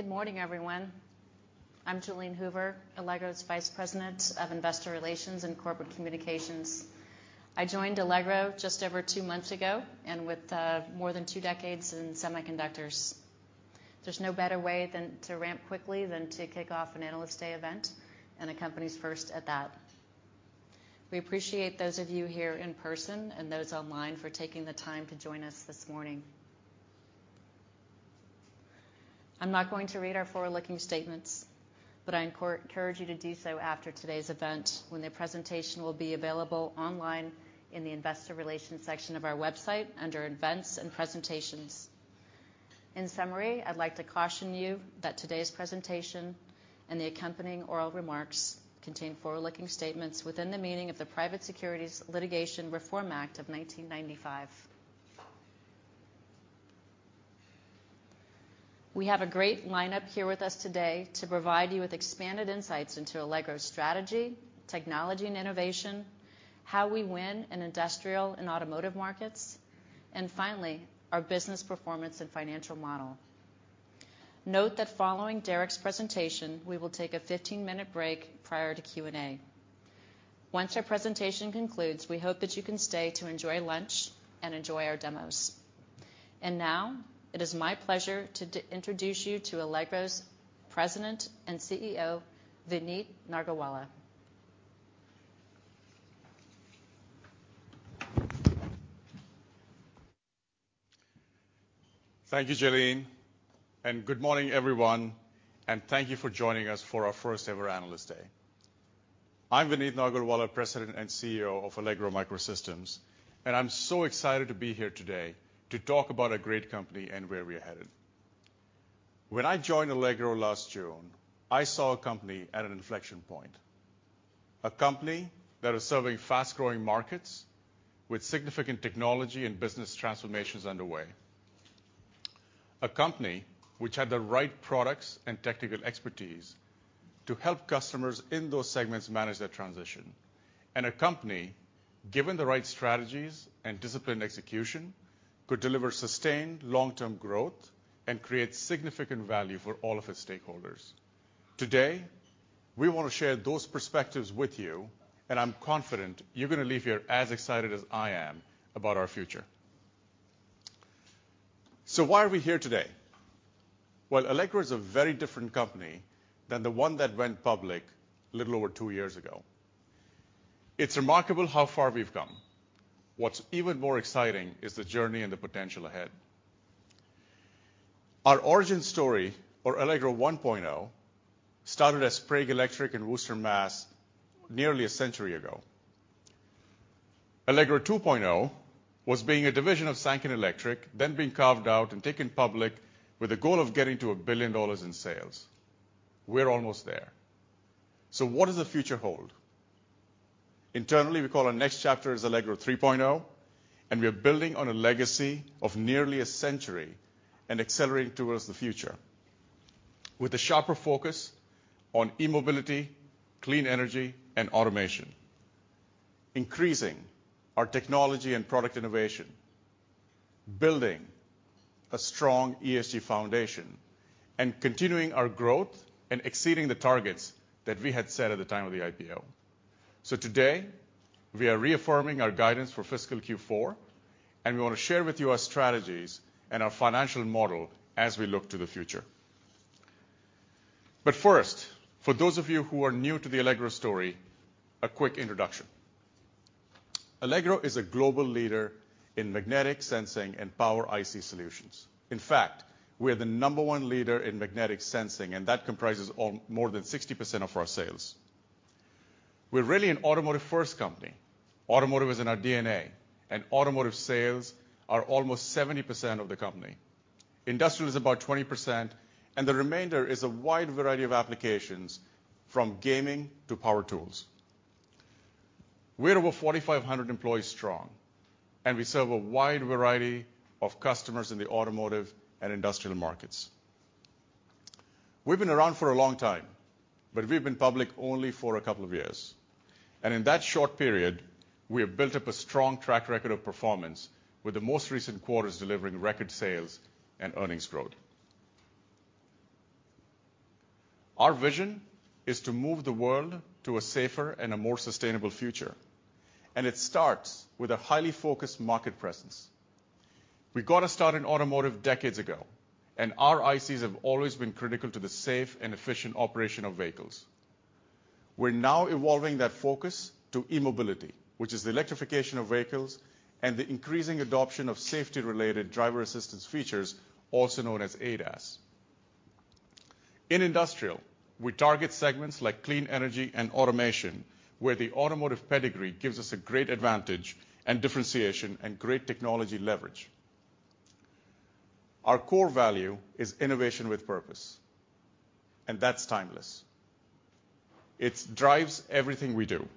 Good morning, everyone. I'm Jalene Hoover, Allegro's Vice President of Investor Relations and Corporate Communications. I joined Allegro just over two months ago, with more than two decades in semiconductors. There's no better way than to ramp quickly than to kick off an analyst day event and the company's first at that. We appreciate those of you here in person and those online for taking the time to join us this morning. I'm not going to read our forward-looking statements, I encourage you to do so after today's event when the presentation will be available online in the investor relations section of our website under Events and Presentations. In summary, I'd like to caution you that today's presentation and the accompanying oral remarks contain forward-looking statements within the meaning of the Private Securities Litigation Reform Act of 1995. We have a great lineup here with us today to provide you with expanded insights into Allegro's strategy, technology and innovation, how we win in industrial and automotive markets, and finally, our business performance and financial model. Note that following Derek's presentation, we will take a 15-minute break prior to Q&A. Once our presentation concludes, we hope that you can stay to enjoy lunch and enjoy our demos. Now it is my pleasure to introduce you to Allegro's President and CEO, Vineet Nargolwala. Thank you, Jalene, and good morning, everyone, and thank you for joining us for our first-ever Analyst Day. I'm Vineet Nargolwala, President and CEO of Allegro MicroSystems, and I'm so excited to be here today to talk about a great company and where we're headed. When I joined Allegro last June, I saw a company at an inflection point, a company that is serving fast-growing markets with significant technology and business transformations underway. A company which had the right products and technical expertise to help customers in those segments manage their transition, and a company, given the right strategies and disciplined execution, could deliver sustained long-term growth and create significant value for all of its stakeholders. Today, we wanna share those perspectives with you, and I'm confident you're gonna leave here as excited as I am about our future. Why are we here today? Well, Allegro is a very different company than the one that went public a little over two years ago. It's remarkable how far we've come. What's even more exciting is the journey and the potential ahead. Our origin story or Allegro 1.0 started as Sprague Electric in Worcester, Mass., nearly a century ago. Allegro 2.0 was being a division of Sanken Electric, then being carved out and taken public with the goal of getting to $1 billion in sales. We're almost there. What does the future hold? Internally, we call our next chapter as Allegro 3.0, and we are building on a legacy of nearly a century and accelerating towards the future. With a sharper focus on e-mobility, clean energy and automation, increasing our technology and product innovation, building a strong ESG foundation, and continuing our growth and exceeding the targets that we had set at the time of the IPO. Today, we are reaffirming our guidance for fiscal Q4, and we want to share with you our strategies and our financial model as we look to the future. First, for those of you who are new to the Allegro story, a quick introduction. Allegro is a global leader in magnetic sensing and power IC solutions. In fact, we are the number one leader in magnetic sensing, and that comprises all, more than 60% of our sales. We're really an automotive-first company. Automotive is in our DNA, and automotive sales are almost 70% of the company. Industrial is about 20%. The remainder is a wide variety of applications from gaming to power tools. We're over 4,500 employees strong. We serve a wide variety of customers in the automotive and industrial markets. We've been around for a long time. We've been public only for a couple of years. In that short period, we have built up a strong track record of performance with the most recent quarters delivering record sales and earnings growth. Our vision is to move the world to a safer and a more sustainable future. It starts with a highly focused market presence. We got our start in automotive decades ago. Our ICs have always been critical to the safe and efficient operation of vehicles. We're now evolving that focus to e-mobility, which is the electrification of vehicles and the increasing adoption of safety-related driver-assistance features, also known as ADAS. In industrial, we target segments like clean energy and automation, where the automotive pedigree gives us a great advantage and differentiation and great technology leverage. Our core value is innovation with purpose, and that's timeless. It drives everything we do,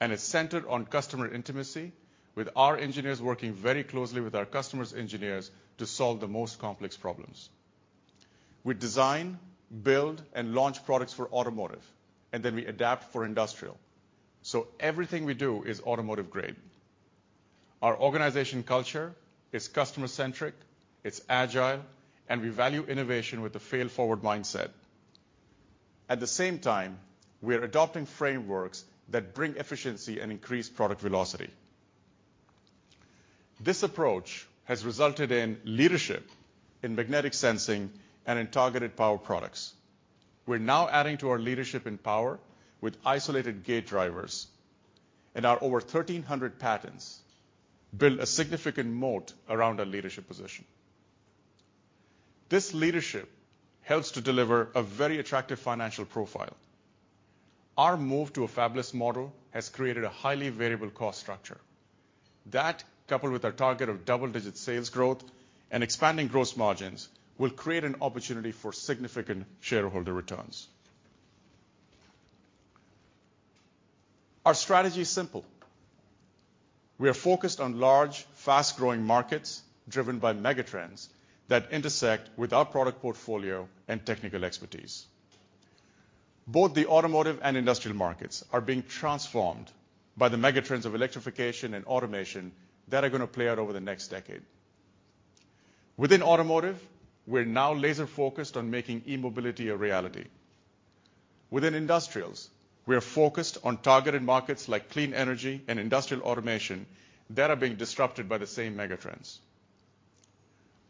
and it's centered on customer intimacy with our engineers working very closely with our customers' engineers to solve the most complex problems. We design, build, and launch products for automotive, and then we adapt for industrial. Everything we do is automotive-grade. Our organization culture is customer-centric, it's agile, and we value innovation with the fail-forward mindset. At the same time, we are adopting frameworks that bring efficiency and increase product velocity. This approach has resulted in leadership in magnetic sensing and in targeted power products. We're now adding to our leadership in power with isolated gate drivers and our over 1,300 patents build a significant moat around our leadership position. This leadership helps to deliver a very attractive financial profile. Our move to a fabless model has created a highly variable cost structure. That, coupled with our target of double-digit sales growth and expanding gross margins, will create an opportunity for significant shareholder returns. Our strategy is simple. We are focused on large, fast-growing markets driven by megatrends that intersect with our product portfolio and technical expertise. Both the automotive and industrial markets are being transformed by the megatrends of electrification and automation that are gonna play out over the next decade. Within automotive, we're now laser-focused on making e-mobility a reality. Within industrials, we are focused on targeted markets like clean energy and industrial automation that are being disrupted by the same megatrends.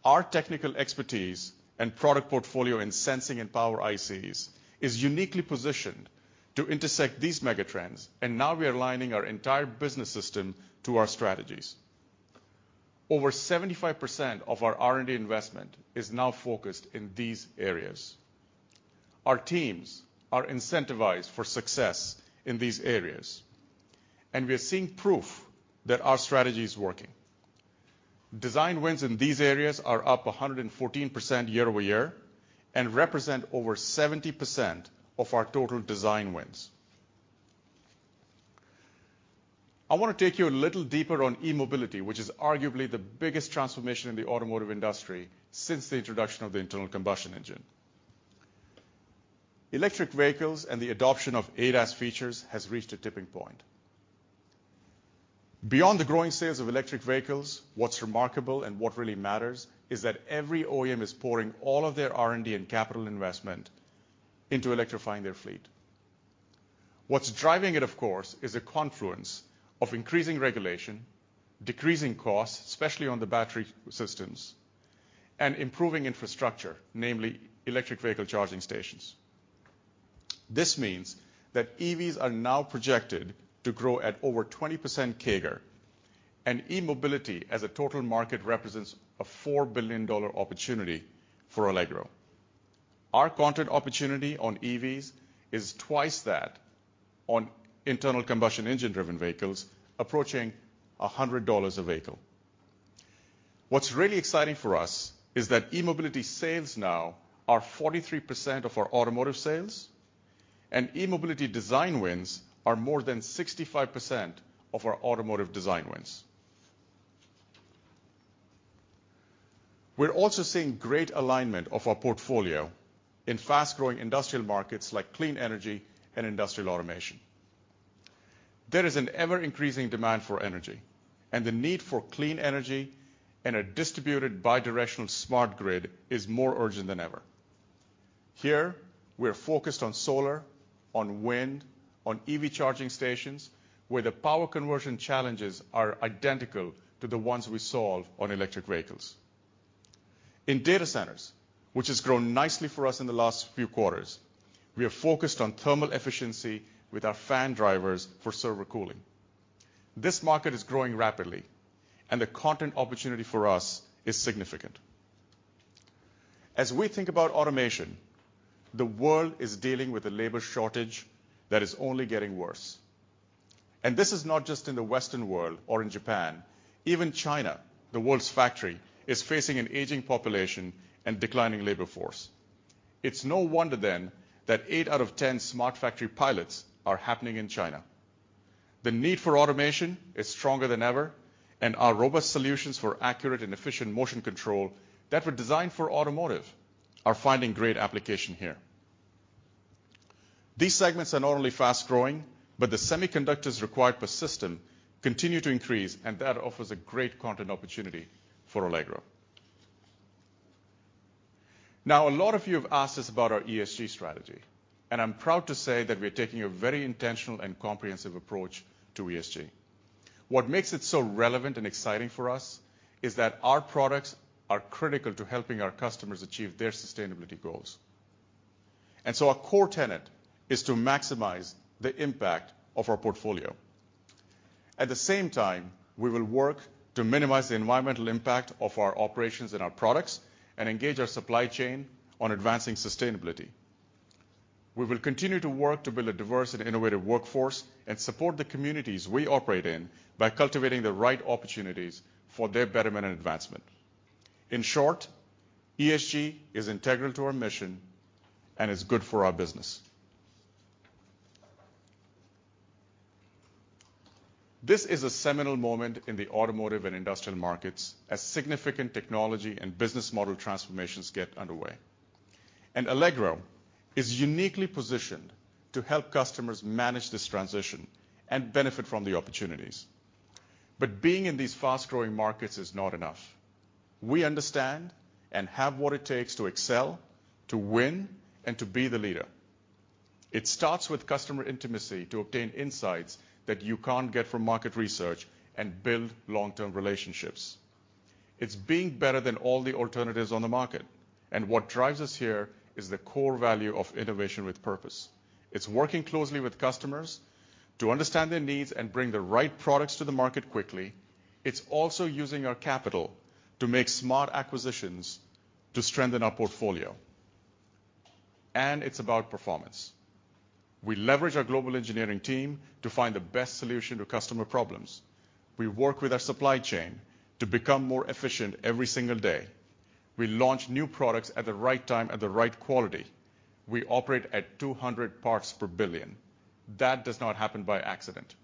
Our technical expertise and product portfolio in sensing and power ICs is uniquely positioned to intersect these megatrends. Now we are aligning our entire business system to our strategies. Over 75% of our R&D investment is now focused in these areas. Our teams are incentivized for success in these areas. We are seeing proof that our strategy is working. Design wins in these areas are up 114% year-over-year and represent over 70% of our total design wins. I want to take you a little deeper on e-mobility, which is arguably the biggest transformation in the automotive industry since the introduction of the internal combustion engine. Electric vehicles and the adoption of ADAS features has reached a tipping point. Beyond the growing sales of electric vehicles, what's remarkable and what really matters is that every OEM is pouring all of their R&D and capital investment into electrifying their fleet. What's driving it, of course, is a confluence of increasing regulation, decreasing costs, especially on the battery systems, and improving infrastructure, namely electric vehicle charging stations. This means that EVs are now projected to grow at over 20% CAGR, and e-mobility, as a total market, represents a $4 billion opportunity for Allegro. Our content opportunity on EVs is twice that on internal combustion engine-driven vehicles, approaching $100 a vehicle. What's really exciting for us is that e-mobility sales now are 43% of our automotive sales and e-mobility design wins are more than 65% of our automotive design wins. We're also seeing great alignment of our portfolio in fast-growing industrial markets like clean energy and industrial automation. There is an ever-increasing demand for energy and the need for clean energy, and a distributed bi-directional smart grid is more urgent than ever. Here we're focused on solar, on wind, on EV charging stations, where the power conversion challenges are identical to the ones we solve on electric vehicles. In data centers, which has grown nicely for us in the last few quarters, we are focused on thermal efficiency with our fan drivers for server cooling. This market is growing rapidly, and the content opportunity for us is significant. As we think about automation, the world is dealing with a labor shortage that is only getting worse. This is not just in the Western world or in Japan. Even China, the world's factory, is facing an aging population and declining labor force. It's no wonder that 8 out of 10 smart factory pilots are happening in China. The need for automation is stronger than ever, our robust solutions for accurate and efficient motion control that were designed for automotive are finding great application here. These segments are not only fast-growing, the semiconductors required per system continue to increase, that offers a great content opportunity for Allegro. A lot of you have asked us about our ESG strategy, I'm proud to say that we are taking a very intentional and comprehensive approach to ESG. What makes it so relevant and exciting for us is that our products are critical to helping our customers achieve their sustainability goals. Our core tenet is to maximize the impact of our portfolio. At the same time, we will work to minimize the environmental impact of our operations and our products and engage our supply chain on advancing sustainability. We will continue to work to build a diverse and innovative workforce and support the communities we operate in by cultivating the right opportunities for their betterment and advancement. In short, ESG is integral to our mission and is good for our business. This is a seminal moment in the automotive and industrial markets as significant technology and business model transformations get underway. Allegro is uniquely positioned to help customers manage this transition and benefit from the opportunities. Being in these fast-growing markets is not enough. We understand and have what it takes to excel, to win, and to be the leader. It starts with customer intimacy to obtain insights that you can't get from market research and build long-term relationships. It's being better than all the alternatives on the market. What drives us here is the core value of innovation with purpose. It's working closely with customers to understand their needs and bring the right products to the market quickly. It's also using our capital to make smart acquisitions to strengthen our portfolio. It's about performance. We leverage our global engineering team to find the best solution to customer problems. We work with our supply chain to become more efficient every single day. We launch new products at the right time, at the right quality. We operate at 200 parts per billion. That does not happen by accident.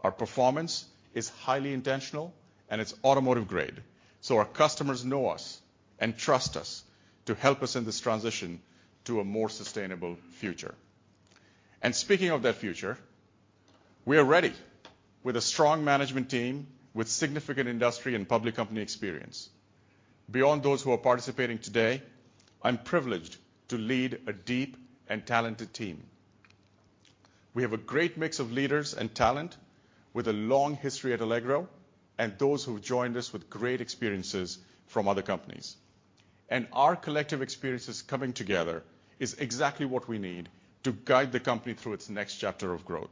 Our performance is highly intentional, and it's automotive-grade. Our customers know us and trust us to help us in this transition to a more sustainable future. Speaking of that future, we are ready with a strong management team with significant industry and public company experience. Beyond those who are participating today, I'm privileged to lead a deep and talented team. We have a great mix of leaders and talent with a long history at Allegro and those who have joined us with great experiences from other companies. Our collective experiences coming together is exactly what we need to guide the company through its next chapter of growth.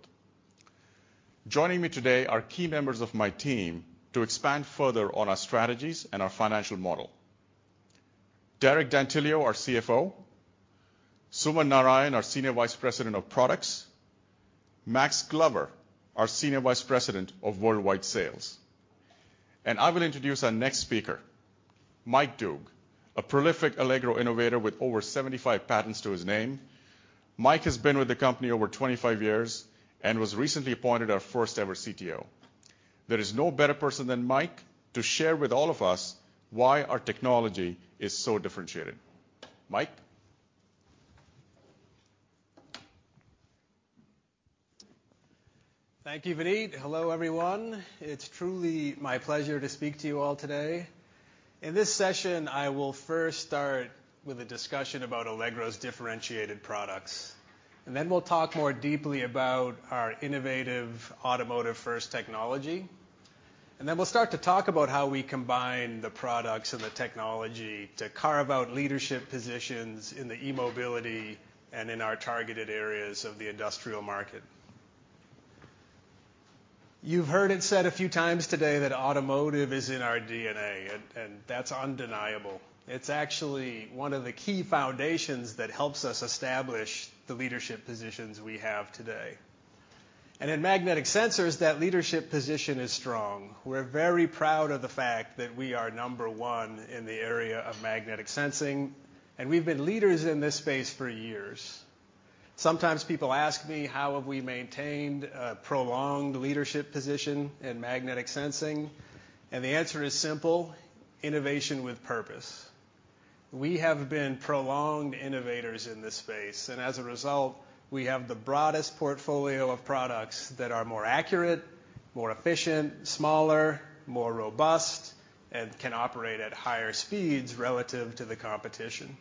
Joining me today are key members of my team to expand further on our strategies and our financial model. Derek D'Antilio, our CFO. Suman Narayan, our Senior Vice President of Products. Max Glover, our Senior Vice President of Worldwide Sales. I will introduce our next speaker, Mike Doogue, a prolific Allegro innovator with over 75 patents to his name. Mike has been with the company over 25 years and was recently appointed our first ever CTO. There is no better person than Mike to share with all of us why our technology is so differentiated. Mike? Thank you, Vineet. Hello, everyone. It's truly my pleasure to speak to you all today. In this session, I will first start with a discussion about Allegro's differentiated products, and then we'll talk more deeply about our innovative automotive-first technology. Then we'll start to talk about how we combine the products and the technology to carve out leadership positions in the e-mobility and in our targeted areas of the industrial market. You've heard it said a few times today that automotive is in our DNA, and that's undeniable. It's actually one of the key foundations that helps us establish the leadership positions we have today. In magnetic sensors, that leadership position is strong. We're very proud of the fact that we are number one in the area of magnetic sensing, and we've been leaders in this space for years. Sometimes people ask me, how have we maintained a prolonged leadership position in magnetic sensing? The answer is simple, innovation with purpose. We have been prolonged innovators in this space, and as a result, we have the broadest portfolio of products that are more accurate, more efficient, smaller, more robust, and can operate at higher speeds relative to the competition.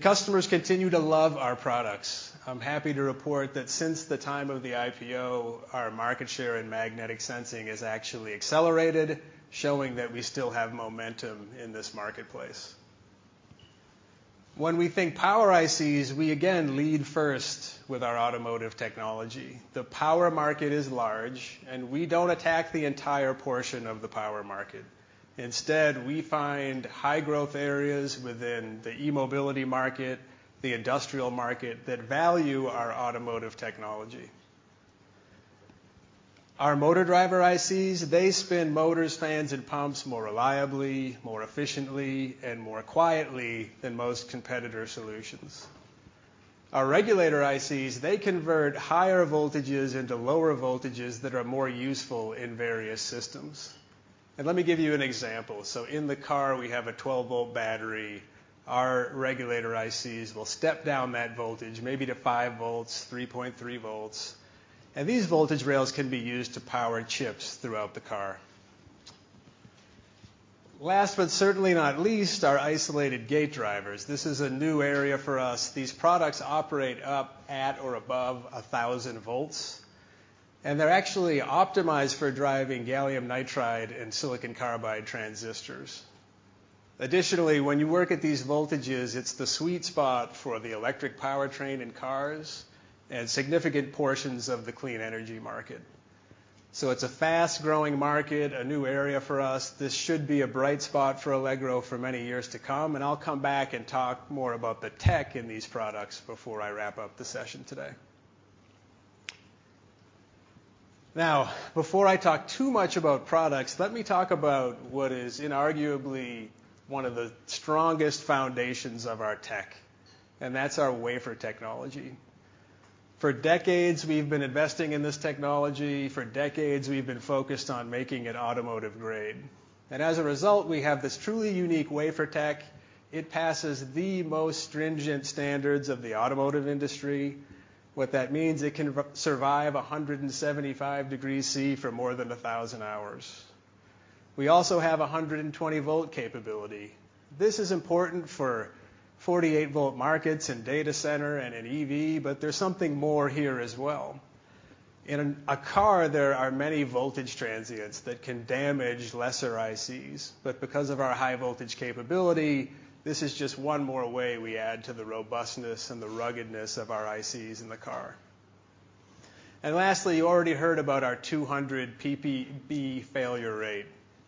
Customers continue to love our products. I'm happy to report that since the time of the IPO, our market share in magnetic sensing has actually accelerated, showing that we still have momentum in this marketplace. When we think power ICs, we again lead first with our automotive technology. The power market is large, and we don't attack the entire portion of the power market. Instead, we find high-growth areas within the e-mobility market, the industrial market that value our automotive technology. Our motor driver ICs, they spin motors, fans, and pumps more reliably, more efficiently, and more quietly than most competitor solutions. Our regulator ICs, they convert higher voltages into lower voltages that are more useful in various systems. Let me give you an example. In the car, we have a 12-volt battery. Our regulator ICs will step down that voltage maybe to five volts, 3.3 volts. These voltage rails can be used to power chips throughout the car. Last, certainly not least, our isolated gate drivers. This is a new area for us. These products operate up, at, or above 1,000 volts, and they're actually optimized for driving gallium nitride and silicon carbide transistors. Additionally, when you work at these voltages, it's the sweet spot for the electric powertrain in cars and significant portions of the clean energy market. It's a fast-growing market, a new area for us. This should be a bright spot for Allegro for many years to come, and I'll come back and talk more about the tech in these products before I wrap up the session today. Before I talk too much about products, let me talk about what is inarguably one of the strongest foundations of our tech, and that's our wafer technology. For decades, we've been investing in this technology. For decades, we've been focused on making it automotive-grade. As a result, we have this truly unique wafer tech. It passes the most stringent standards of the automotive industry. What that means, it can survive 175 degrees Celsius for more than 1,000 hours. We also have 120 V capability. This is important for 48-volt markets and data center and in EV, but there's something more here as well. In a car, there are many voltage transients that can damage lesser ICs. Because of our high voltage capability, this is just one more way we add to the robustness and the ruggedness of our ICs in the car. Lastly, you already heard about our 200 PPB failure rate,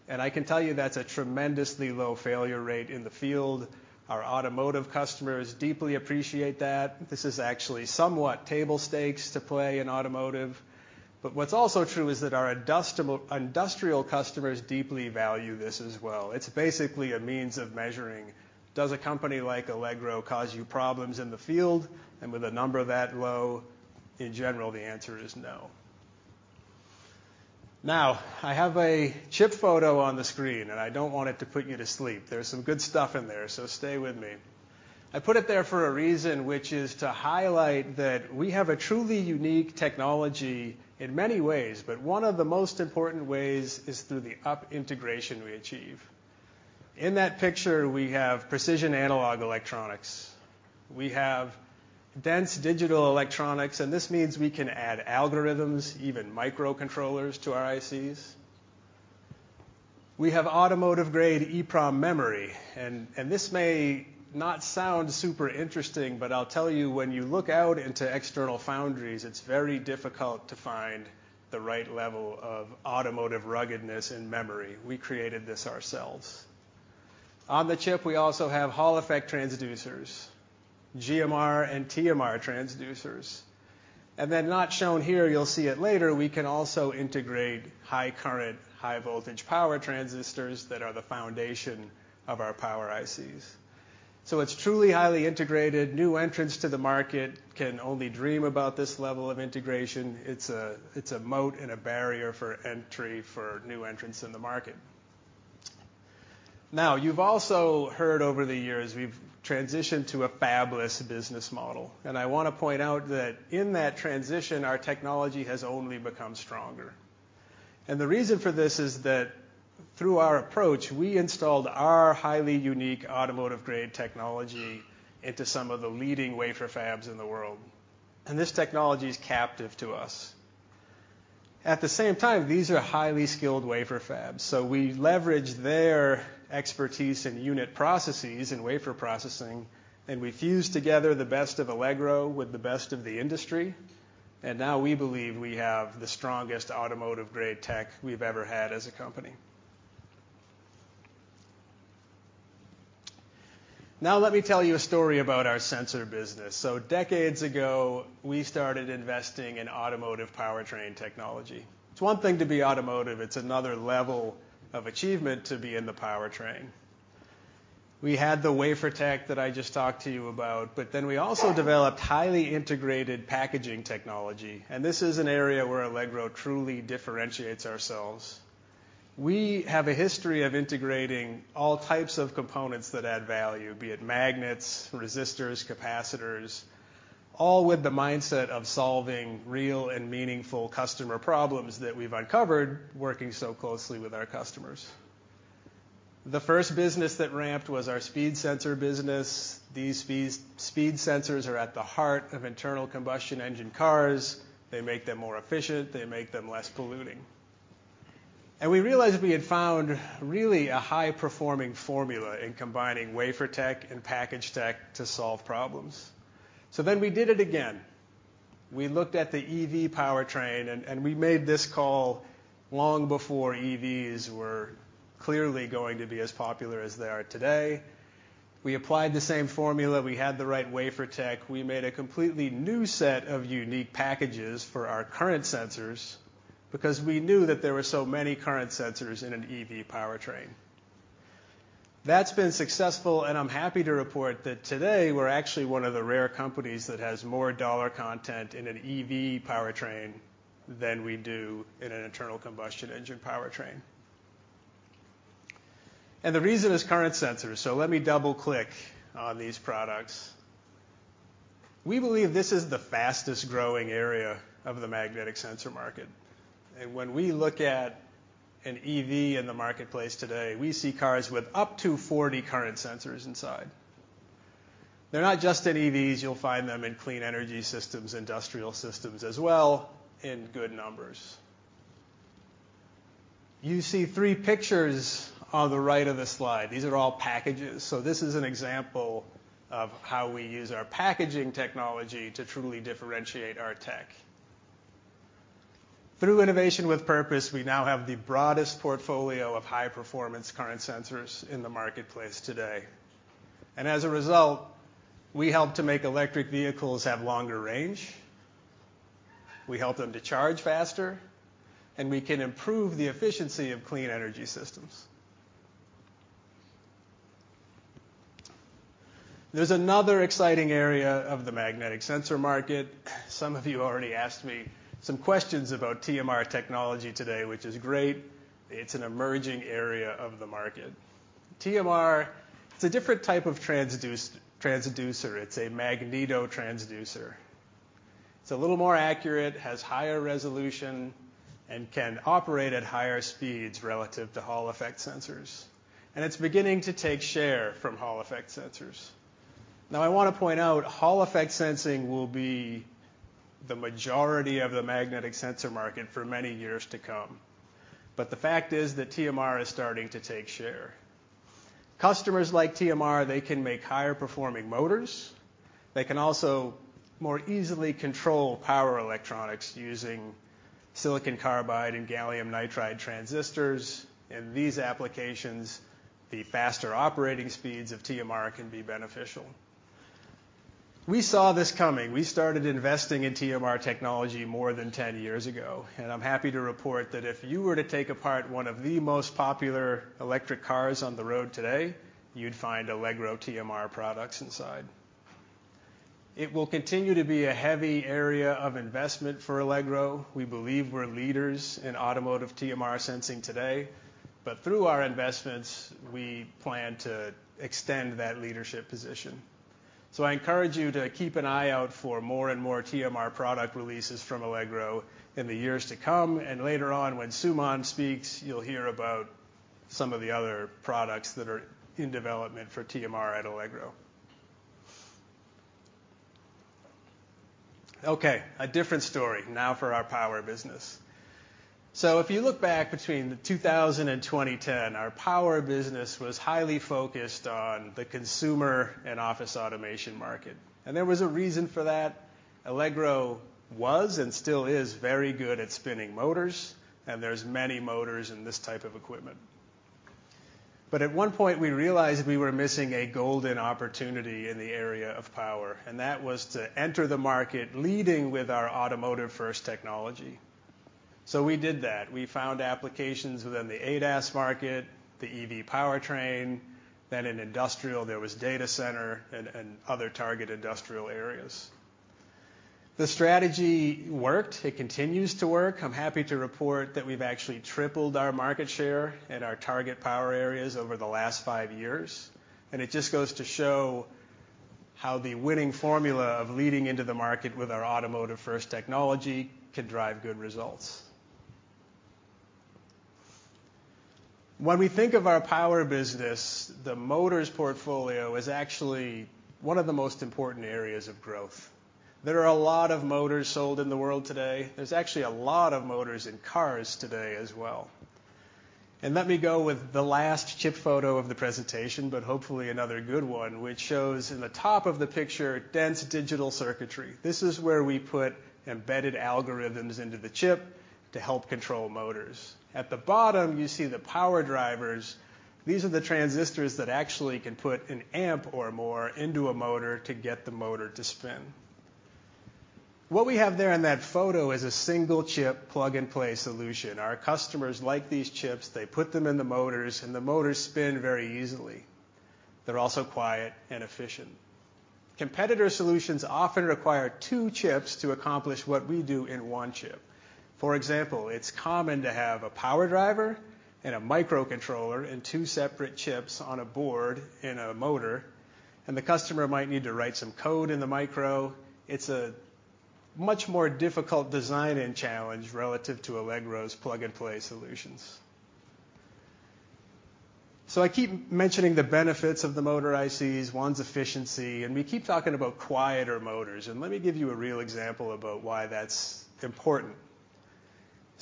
and I can tell you that's a tremendously low failure rate in the field. Our automotive customers deeply appreciate that. This is actually somewhat table stakes to play in automotive. What's also true is that our industrial customers deeply value this as well. It's basically a means of measuring, does a company like Allegro cause you problems in the field? With a number that low, in general, the answer is no. Now, I have a chip photo on the screen, and I don't want it to put you to sleep. There's some good stuff in there. Stay with me. I put it there for a reason, which is to highlight that we have a truly unique technology in many ways. One of the most important ways is through the up integration we achieve. In that picture, we have precision analog electronics. We have dense digital electronics. This means we can add algorithms, even microcontrollers to our ICs. We have automotive-grade EEPROM memory. This may not sound super interesting. I'll tell you, when you look out into external foundries, it's very difficult to find the right level of automotive ruggedness and memory. We created this ourselves. On the chip, we also have Hall effect transducers, GMR and TMR transducers. Then not shown here, you'll see it later, we can also integrate high current, high voltage power transistors that are the foundation of our power ICs. It's truly highly integrated. New entrants to the market can only dream about this level of integration. It's a, it's a moat and a barrier for entry for new entrants in the market. You've also heard over the years we've transitioned to a fabless business model. I wanna point out that in that transition, our technology has only become stronger. The reason for this is that through our approach, we installed our highly unique automotive-grade technology into some of the leading wafer fabs in the world, and this technology is captive to us. At the same time, these are highly skilled wafer fabs. We leverage their expertise in unit processes and wafer processing. We fuse together the best of Allegro with the best of the industry. Now we believe we have the strongest automotive-grade tech we've ever had as a company. Now let me tell you a story about our sensor business. Decades ago, we started investing in automotive powertrain technology. It's one thing to be automotive, it's another level of achievement to be in the powertrain. We had the wafer tech that I just talked to you about. We also developed highly integrated packaging technology. This is an area where Allegro truly differentiates ourselves. We have a history of integrating all types of components that add value, be it magnets, resistors, capacitors, all with the mindset of solving real and meaningful customer problems that we've uncovered working so closely with our customers. The first business that ramped was our speed sensor business. These speed sensors are at the heart of internal combustion engine cars. They make them more efficient, they make them less polluting. We realized we had found really a high-performing formula in combining wafer tech and package tech to solve problems. We did it again. We looked at the EV powertrain and we made this call long before EVs were clearly going to be as popular as they are today. We applied the same formula. We had the right wafer tech. We made a completely new set of unique packages for our current sensors because we knew that there were so many current sensors in an EV powertrain. That's been successful, and I'm happy to report that today we're actually one of the rare companies that has more dollar content in an EV powertrain than we do in an internal combustion engine powertrain. The reason is current sensors. Let me double-click on these products. We believe this is the fastest-growing area of the magnetic sensor market. When we look at an EV in the marketplace today, we see cars with up to 40 current sensors inside. They're not just in EVs, you'll find them in clean energy systems, industrial systems as well in good numbers. You see 3 pictures on the right of the slide. These are all packages. This is an example of how we use our packaging technology to truly differentiate our tech. Through innovation with purpose, we now have the broadest portfolio of high-performance current sensors in the marketplace today. As a result, we help to make electric vehicles have longer range, we help them to charge faster, and we can improve the efficiency of clean energy systems. There's another exciting area of the magnetic sensor market. Some of you already asked me some questions about TMR technology today, which is great. It's an emerging area of the market. TMR, it's a different type of transducer. It's a magneto transducer. It's a little more accurate, has higher resolution, and can operate at higher speeds relative to Hall effect sensors. It's beginning to take share from Hall effect sensors. I wanna point out Hall effect sensing will be the majority of the magnetic sensor market for many years to come. The fact is that TMR is starting to take share. Customers like TMR, they can make higher performing motors. They can also more easily control power electronics using silicon carbide and gallium nitride transistors. In these applications, the faster operating speeds of TMR can be beneficial. We saw this coming. We started investing in TMR technology more than 10 years ago, and I'm happy to report that if you were to take apart one of the most popular electric cars on the road today, you'd find Allegro TMR products inside. It will continue to be a heavy area of investment for Allegro. We believe we're leaders in automotive TMR sensing today, but through our investments, we plan to extend that leadership position. I encourage you to keep an eye out for more and more TMR product releases from Allegro in the years to come. Later on, when Suman speaks, you'll hear about some of the other products that are in development for TMR at Allegro. Okay, a different story now for our power business. If you look back between 2000 and 2010, our power business was highly focused on the consumer and office automation market. There was a reason for that. Allegro was, and still is, very good at spinning motors, and there's many motors in this type of equipment. At one point, we realized we were missing a golden opportunity in the area of power, and that was to enter the market leading with our automotive-first technology. We did that. We found applications within the ADAS market, the EV powertrain. In industrial, there was data center and other target industrial areas. The strategy worked. It continues to work. I'm happy to report that we've actually tripled our market share in our target power areas over the last five years, and it just goes to show how the winning formula of leading into the market with our automotive-first technology can drive good results. When we think of our power business, the motors portfolio is actually one of the most important areas of growth. There are a lot of motors sold in the world today. There's actually a lot of motors in cars today as well. Let me go with the last chip photo of the presentation, but hopefully another good one, which shows in the top of the picture dense digital circuitry. This is where we put embedded algorithms into the chip to help control motors. At the bottom, you see the power drivers. These are the transistors that actually can put an amp or more into a motor to get the motor to spin. What we have there in that photo is a single chip plug-and-play solution. Our customers like these chips. They put them in the motors, and the motors spin very easily. They're also quiet and efficient. Competitor solutions often require two chips to accomplish what we do in one chip. For example, it's common to have a power driver and a microcontroller in two separate chips on a board in a motor, and the customer might need to write some code in the micro. It's a much more difficult design and challenge relative to Allegro's plug-and-play solutions. I keep mentioning the benefits of the motor ICs, one's efficiency, and we keep talking about quieter motors, and let me give you a real example about why that's important.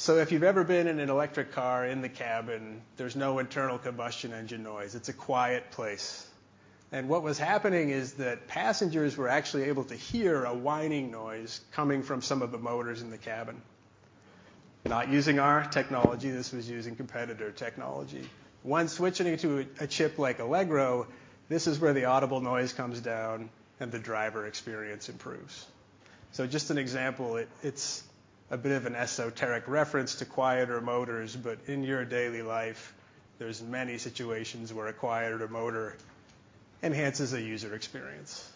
If you've ever been in an electric car in the cabin, there's no internal combustion engine noise. It's a quiet place. What was happening is that passengers were actually able to hear a whining noise coming from some of the motors in the cabin. Not using our technology. This was using competitor technology. When switching to a chip like Allegro, this is where the audible noise comes down and the driver experience improves. Just an example. It's a bit of an esoteric reference to quieter motors, but in your daily life, there's many situations where a quieter motor enhances a user experience.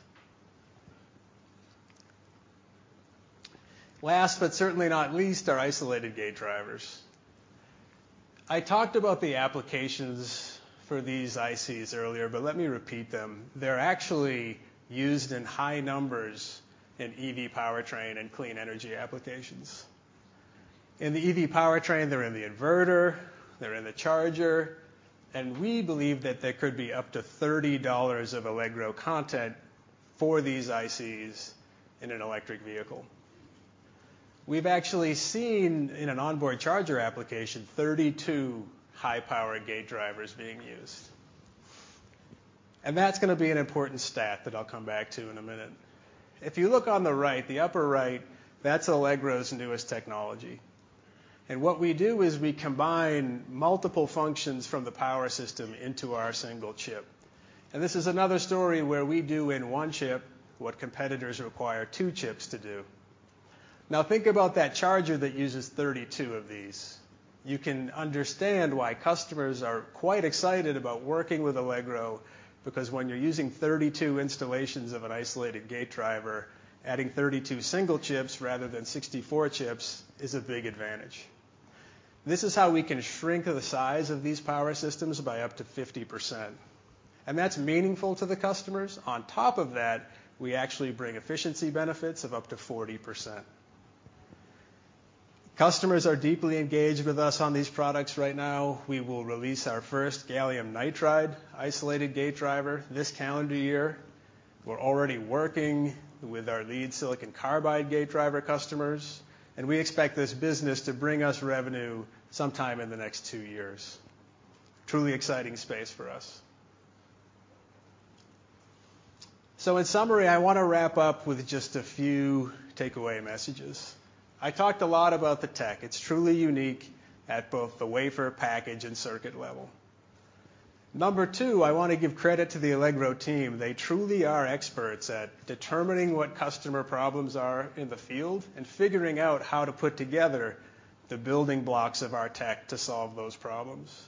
Last, but certainly not least, are isolated gate drivers. I talked about the applications for these ICs earlier, but let me repeat them. They're actually used in high numbers in EV powertrain and clean energy applications. In the EV powertrain, they're in the inverter, they're in the charger, and we believe that there could be up to $30 of Allegro content for these ICs in an electric vehicle. We've actually seen, in an onboard charger application, 32 high-power gate drivers being used. That's gonna be an important stat that I'll come back to in a minute. If you look on the right, the upper right, that's Allegro's newest technology. What we do is we combine multiple functions from the power system into our one chip. This is another story where we do in one chip what competitors require two chips to do. Now think about that charger that uses 32 of these. You can understand why customers are quite excited about working with Allegro, because when you're using 32 installations of an isolated gate driver, adding 32 single chips rather than 64 chips is a big advantage. This is how we can shrink the size of these power systems by up to 50%, and that's meaningful to the customers. On top of that, we actually bring efficiency benefits of up to 40%. Customers are deeply engaged with us on these products right now. We will release our first gallium nitride isolated gate driver this calendar year. We're already working with our lead silicon carbide gate driver customers, and we expect this business to bring us revenue sometime in the next two years. Truly exciting space for us. In summary, I wanna wrap up with just a few takeaway messages. I talked a lot about the tech. It's truly unique at both the wafer package and circuit level. Number two, I wanna give credit to the Allegro team. They truly are experts at determining what customer problems are in the field and figuring out how to put together the building blocks of our tech to solve those problems.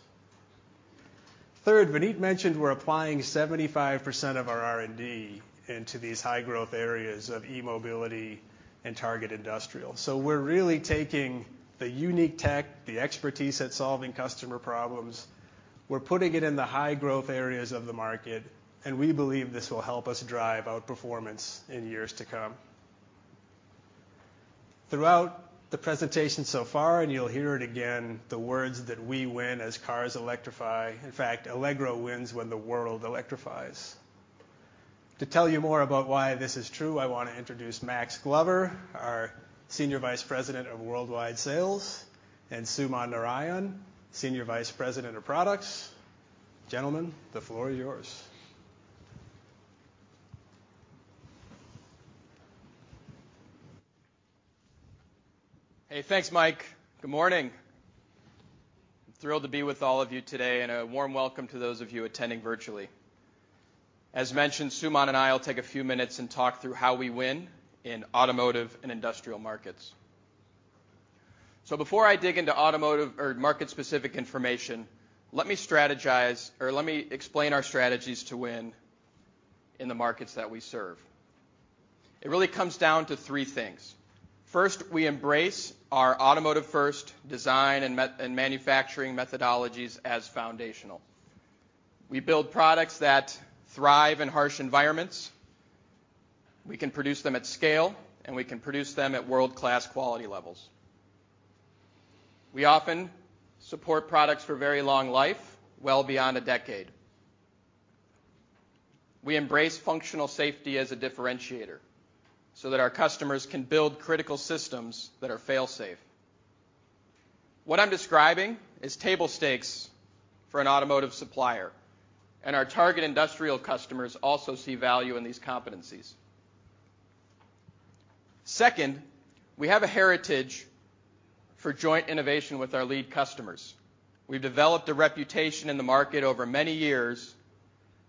Third, Vineet mentioned we're applying 75% of our R&D into these high growth areas of e-mobility and target industrial. We're really taking the unique tech, the expertise at solving customer problems, we're putting it in the high growth areas of the market, and we believe this will help us drive outperformance in years to come. Throughout the presentation so far, and you'll hear it again, the words that we win as cars electrify. In fact, Allegro wins when the world electrifies. To tell you more about why this is true, I wanna introduce Max Glover, our Senior Vice President of Worldwide Sales, and Suman Narayan, Senior Vice President of Products. Gentlemen, the floor is yours. Hey, thanks, Mike. Good morning. I'm thrilled to be with all of you today, and a warm welcome to those of you attending virtually. As mentioned, Suman and I will take a few minutes and talk through how we win in automotive and industrial markets. Before I dig into automotive or market-specific information, let me explain our strategies to win in the markets that we serve. It really comes down to three things. First, we embrace our automotive first design and manufacturing methodologies as foundational. We build products that thrive in harsh environments. We can produce them at scale, and we can produce them at world-class quality levels. We often support products for very long life, well beyond a decade. We embrace functional safety as a differentiator so that our customers can build critical systems that are fail-safe. What I'm describing is table stakes for an automotive supplier. Our target industrial customers also see value in these competencies. Second, we have a heritage for joint innovation with our lead customers. We've developed a reputation in the market over many years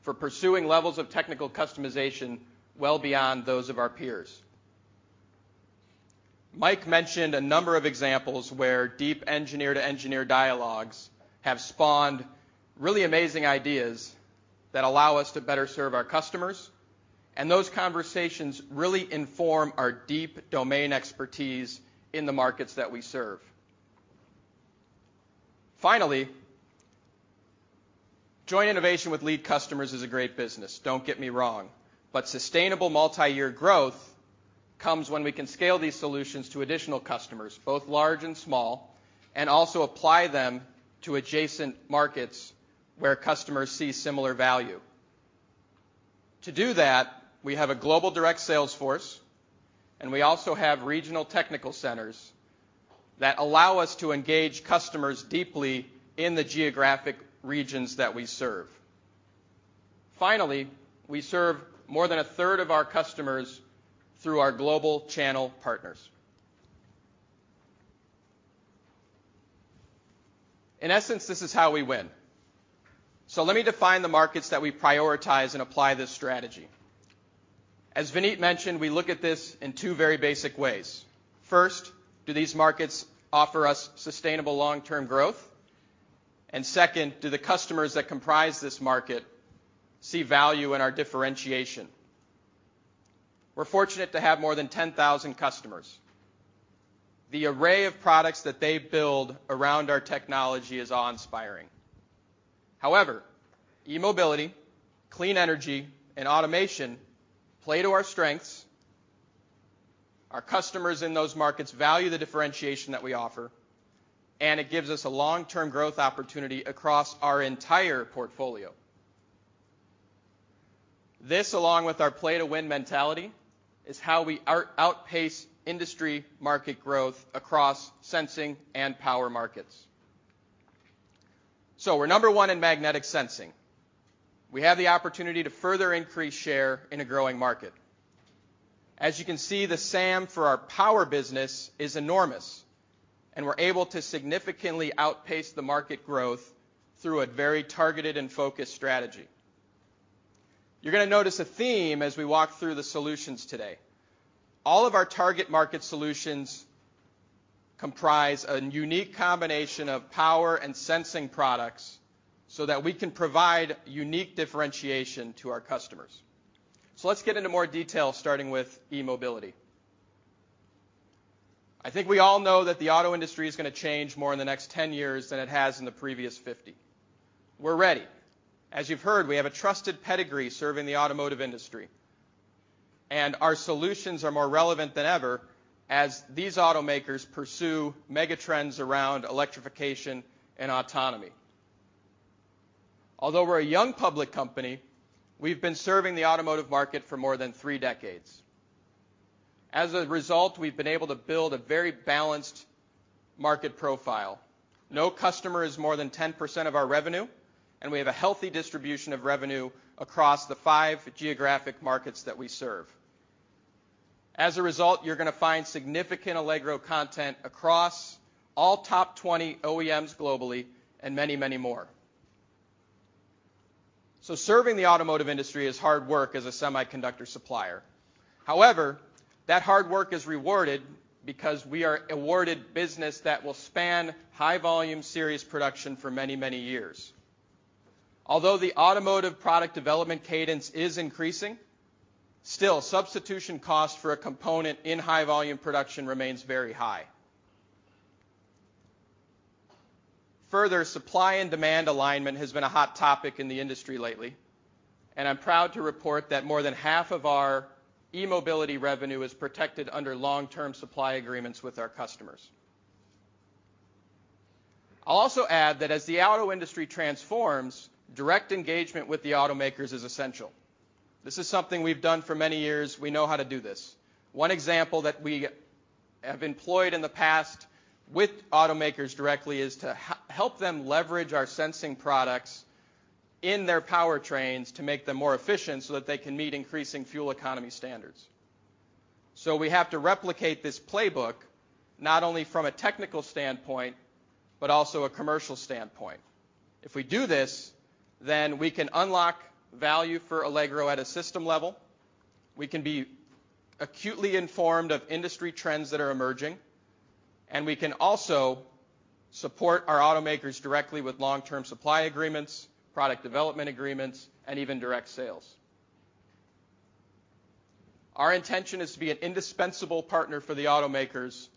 for pursuing levels of technical customization well beyond those of our peers. Mike mentioned a number of examples where deep engineer-to-engineer dialogues have spawned really amazing ideas that allow us to better serve our customers, and those conversations really inform our deep domain expertise in the markets that we serve. Finally, joint innovation with lead customers is a great business, don't get me wrong, but sustainable multi-year growth comes when we can scale these solutions to additional customers, both large and small, and also apply them to adjacent markets where customers see similar value. To do that, we have a global direct sales force, and we also have regional technical centers that allow us to engage customers deeply in the geographic regions that we serve. Finally, we serve more than a third of our customers through our global channel partners. In essence, this is how we win. Let me define the markets that we prioritize and apply this strategy. As Vineet mentioned, we look at this in two very basic ways. First, do these markets offer us sustainable long-term growth? Second, do the customers that comprise this market see value in our differentiation? We're fortunate to have more than 10,000 customers. The array of products that they build around our technology is awe-inspiring. However, e-mobility, clean energy, and automation play to our strengths. Our customers in those markets value the differentiation that we offer, it gives us a long-term growth opportunity across our entire portfolio. This, along with our play to win mentality, is how we outpace industry market growth across sensing and power markets. We're number one in magnetic sensing. We have the opportunity to further increase share in a growing market. As you can see, the SAM for our power business is enormous, we're able to significantly outpace the market growth through a very targeted and focused strategy. You're gonna notice a theme as we walk through the solutions today. All of our target market solutions comprise a unique combination of power and sensing products that we can provide unique differentiation to our customers. Let's get into more detail starting with e-mobility. I think we all know that the auto industry is gonna change more in the next 10 years than it has in the previous 50. We're ready. As you've heard, we have a trusted pedigree serving the automotive industry, and our solutions are more relevant than ever as these automakers pursue mega trends around electrification and autonomy. Although we're a young public company, we've been serving the automotive market for more than three decades. As a result, we've been able to build a very balanced market profile. No customer is more than 10% of our revenue, and we have a healthy distribution of revenue across the five geographic markets that we serve. As a result, you're gonna find significant Allegro content across all top 20 OEMs globally and many, many more. Serving the automotive industry is hard work as a semiconductor supplier. That hard work is rewarded because we are awarded business that will span high-volume series production for many, many years. Although the automotive product development cadence is increasing, still substitution cost for a component in high-volume production remains very high. Further, supply and demand alignment has been a hot topic in the industry lately, and I'm proud to report that more than half of our e-mobility revenue is protected under long-term supply agreements with our customers. I'll also add that as the auto industry transforms, direct engagement with the automakers is essential. This is something we've done for many years. We know how to do this. One example that we have employed in the past with automakers directly is to help them leverage our sensing products in their powertrains to make them more efficient so that they can meet increasing fuel economy standards. We have to replicate this playbook not only from a technical standpoint, but also a commercial standpoint. If we do this, then we can unlock value for Allegro at a system level. We can be acutely informed of industry trends that are emerging, and we can also support our automakers directly with long-term supply agreements, product development agreements, and even direct sales. Our intention is to be an indispensable partner for the automakers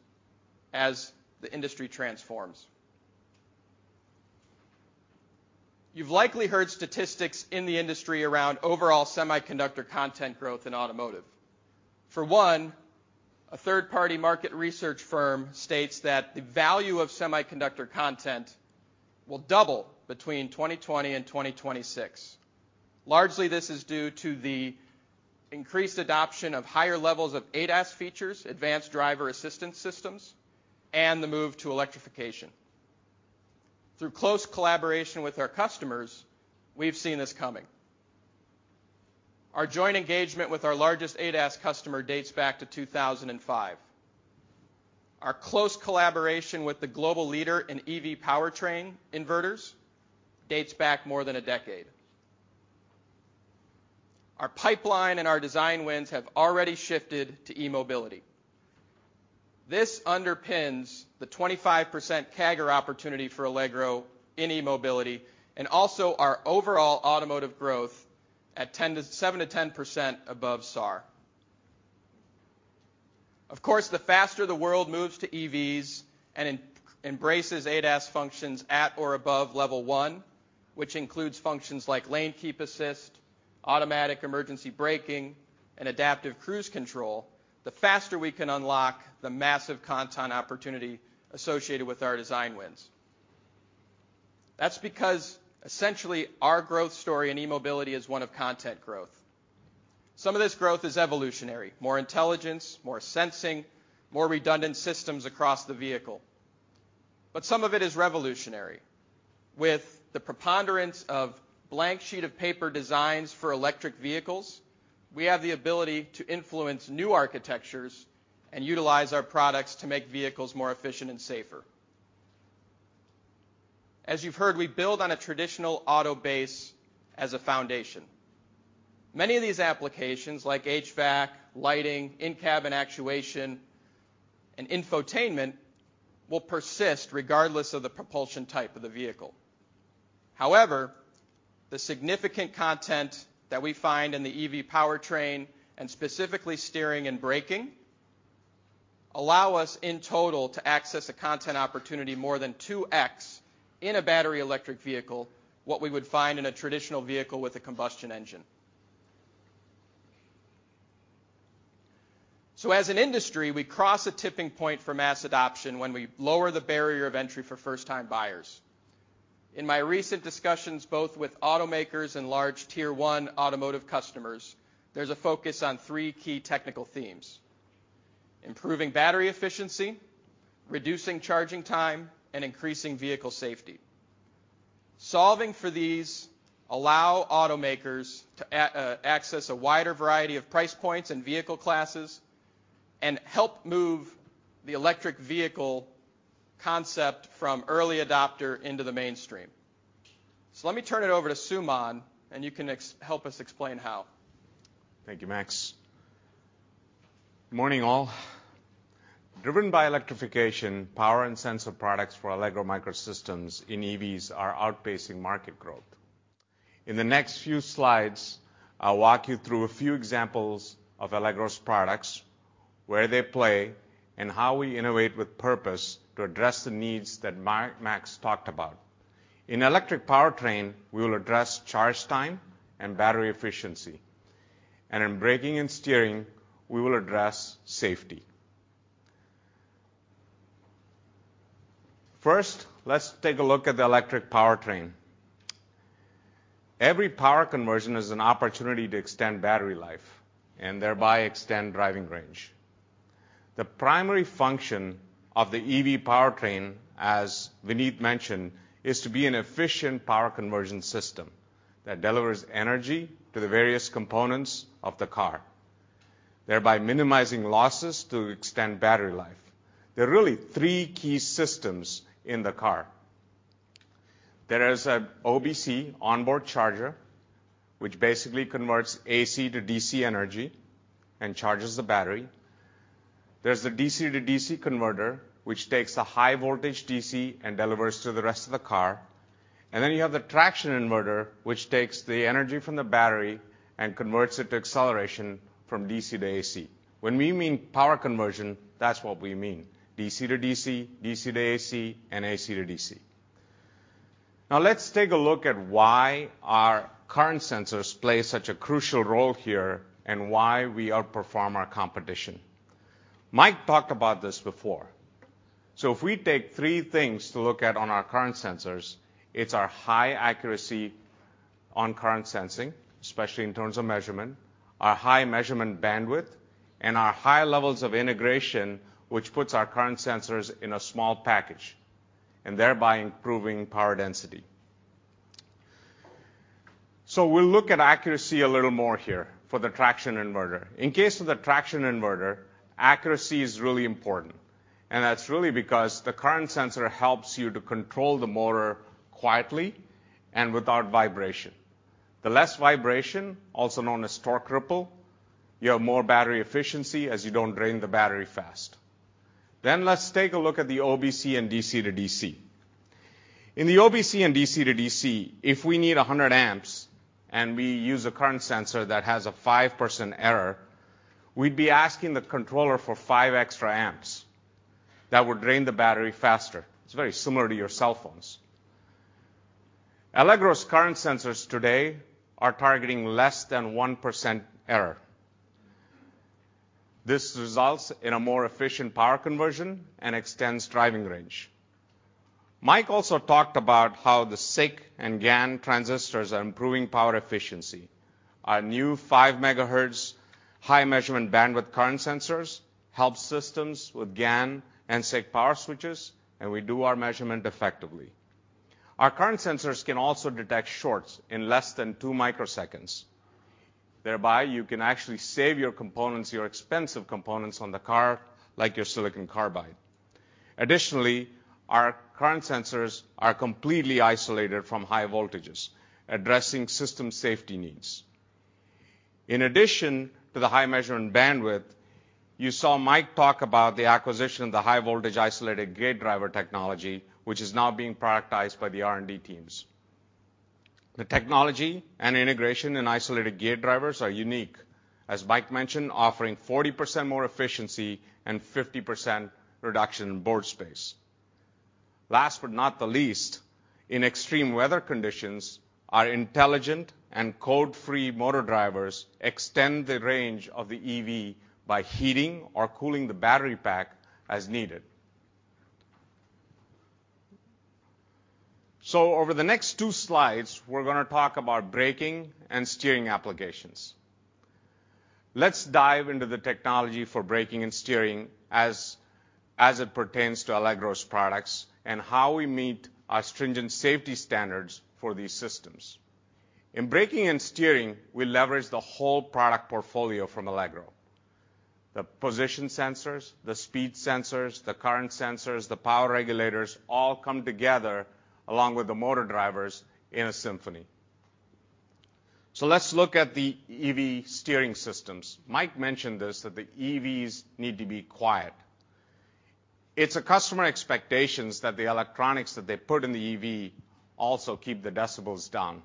as the industry transforms. You've likely heard statistics in the industry around overall semiconductor content growth in automotive. For one, a third-party market research firm states that the value of semiconductor content will double between 2020 and 2026. Largely, this is due to the increased adoption of higher levels of ADAS features, advanced driver assistance systems, and the move to electrification. Through close collaboration with our customers, we've seen this coming. Our joint engagement with our largest ADAS customer dates back to 2005. Our close collaboration with the global leader in EV powertrain inverters dates back more than a decade. Our pipeline and our design wins have already shifted to e-mobility. This underpins the 25% CAGR opportunity for Allegro in e-mobility and also our overall automotive growth at 7% to 10% above SAAR. The faster the world moves to EVs and embraces ADAS functions at or above level one, which includes functions like lane keep assist, automatic emergency braking, and adaptive cruise control, the faster we can unlock the massive content opportunity associated with our design wins. That's because essentially our growth story in e-mobility is one of content growth. Some of this growth is evolutionary, more intelligence, more sensing, more redundant systems across the vehicle, but some of it is revolutionary. With the preponderance of blank sheet of paper designs for electric vehicles, we have the ability to influence new architectures and utilize our products to make vehicles more efficient and safer. As you've heard, we build on a traditional auto base as a foundation. Many of these applications like HVAC, lighting, in-cabin actuation, and infotainment will persist regardless of the propulsion type of the vehicle. However, the significant content that we find in the EV powertrain, and specifically steering and braking, allow us in total to access a content opportunity more than 2x in a battery electric vehicle what we would find in a traditional vehicle with a combustion engine. As an industry, we cross a tipping point for mass adoption when we lower the barrier of entry for first-time buyers. In my recent discussions, both with automakers and large tier one automotive customers, there's a focus on three key technical themes: improving battery efficiency, reducing charging time, and increasing vehicle safety. Solving for these allow automakers to access a wider variety of price points and vehicle classes and help move the electric vehicle concept from early adopter into the mainstream. Let me turn it over to Suman, and you can help us explain how. Thank you, Max. Morning, all. Driven by electrification, power and sensor products for Allegro MicroSystems in EVs are outpacing market growth. In the next few slides, I'll walk you through a few examples of Allegro's products, where they play, and how we innovate with purpose to address the needs that Max talked about. In electric powertrain, we will address charge time and battery efficiency. In braking and steering, we will address safety. First, let's take a look at the electric powertrain. Every power conversion is an opportunity to extend battery life and thereby extend driving range. The primary function of the EV powertrain, as Vineet mentioned, is to be an efficient power conversion system that delivers energy to the various components of the car, thereby minimizing losses to extend battery life. There are really three key systems in the car. There is a OBC, onboard charger, which basically converts AC to DC energy and charges the battery. There's the DC to DC converter, which takes the high voltage DC and delivers to the rest of the car. You have the traction inverter, which takes the energy from the battery and converts it to acceleration from DC to AC. When we mean power conversion, that's what we mean. DC to DC to AC, and AC to DC. Let's take a look at why our current sensors play such a crucial role here and why we outperform our competition. Mike talked about this before. If we take three things to look at on our current sensors, it's our high accuracy on current sensing, especially in terms of measurement, our high measurement bandwidth, and our high levels of integration, which puts our current sensors in a small package and thereby improving power density. We'll look at accuracy a little more here for the traction inverter. In case of the traction inverter, accuracy is really important, and that's really because the current sensor helps you to control the motor quietly and without vibration. The less vibration, also known as torque ripple, you have more battery efficiency as you don't drain the battery fast. Let's take a look at the OBC and DC to DC. In the OBC and DC to DC, if we need 100 amps and we use a current sensor that has a 5% error, we'd be asking the controller for five extra amps that would drain the battery faster. It's very similar to your cell phones. Allegro's current sensors today are targeting less than 1% error. This results in a more efficient power conversion and extends driving range. Mike also talked about how the SiC and GaN transistors are improving power efficiency. Our new five megahertz high measurement bandwidth current sensors help systems with GaN and SiC power switches, and we do our measurement effectively. Our current sensors can also detect shorts in less than two microseconds. Thereby, you can actually save your components, your expensive components on the car, like your silicon carbide. Additionally, our current sensors are completely isolated from high voltages, addressing system safety needs. In addition to the high measuring bandwidth, you saw Mike talk about the acquisition of the high voltage isolated gate driver technology, which is now being productized by the R&D teams. The technology and integration in isolated gate drivers are unique, as Mike mentioned, offering 40% more efficiency and 50% reduction in board space. Last but not the least, in extreme weather conditions, our intelligent and code-free motor drivers extend the range of the EV by heating or cooling the battery pack as needed. Over the next two slides, we're gonna talk about braking and steering applications. Let's dive into the technology for braking and steering as it pertains to Allegro's products and how we meet our stringent safety standards for these systems. In braking and steering, we leverage the whole product portfolio from Allegro. The position sensors, the speed sensors, the current sensors, the power regulators all come together along with the motor drivers in a symphony. Let's look at the EV steering systems. Mike mentioned this, that the EVs need to be quiet. It's a customer expectations that the electronics that they put in the EV also keep the decibels down.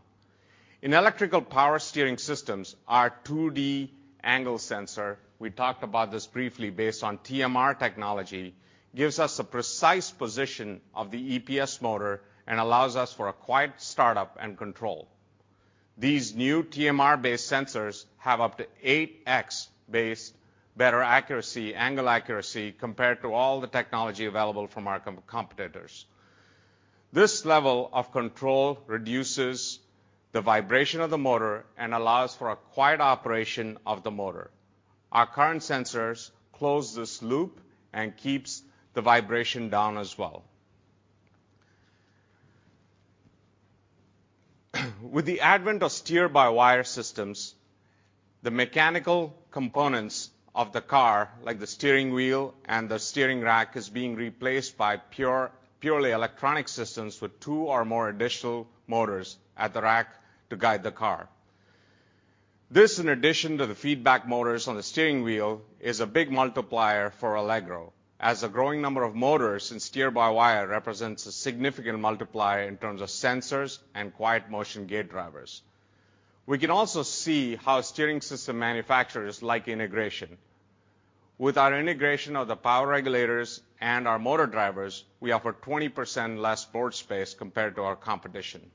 In electrical power steering systems, our 2D angle sensor, we talked about this briefly based on TMR technology, gives us a precise position of the EPS motor and allows us for a quiet startup and control. These new TMR-based sensors have up to 8x based better accuracy, angle accuracy compared to all the technology available from our competitors. This level of control reduces the vibration of the motor and allows for a quiet operation of the motor. Our current sensors close this loop and keeps the vibration down as well. The advent of steer-by-wire systems, the mechanical components of the car, like the steering wheel and the steering rack, is being replaced by purely electronic systems with two or more additional motors at the rack to guide the car. This, in addition to the feedback motors on the steering wheel, is a big multiplier for Allegro as a growing number of motors and steer-by-wire represents a significant multiplier in terms of sensors and QuietMotion gate drivers. We can also see how steering system manufacturers like integration. Our integration of the power regulators and our motor drivers, we offer 20% less board space compared to our competition.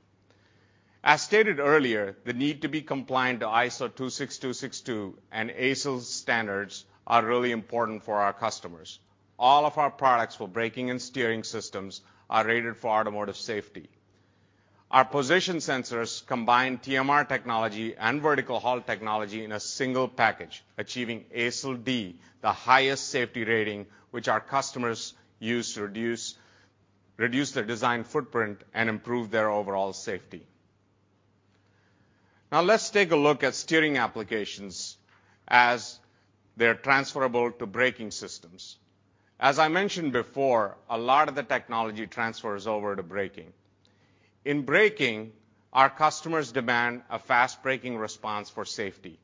As stated earlier, the need to be compliant to ISO 26262 and ASIL standards are really important for our customers. All of our products for braking and steering systems are rated for automotive safety. Our position sensors combine TMR technology and vertical Hall technology in a single package, achieving ASIL D, the highest safety rating, which our customers use to reduce their design footprint and improve their overall safety. Let's take a look at steering applications as they're transferable to braking systems. As I mentioned before, a lot of the technology transfers over to braking. In braking, our customers demand a fast braking response for safety.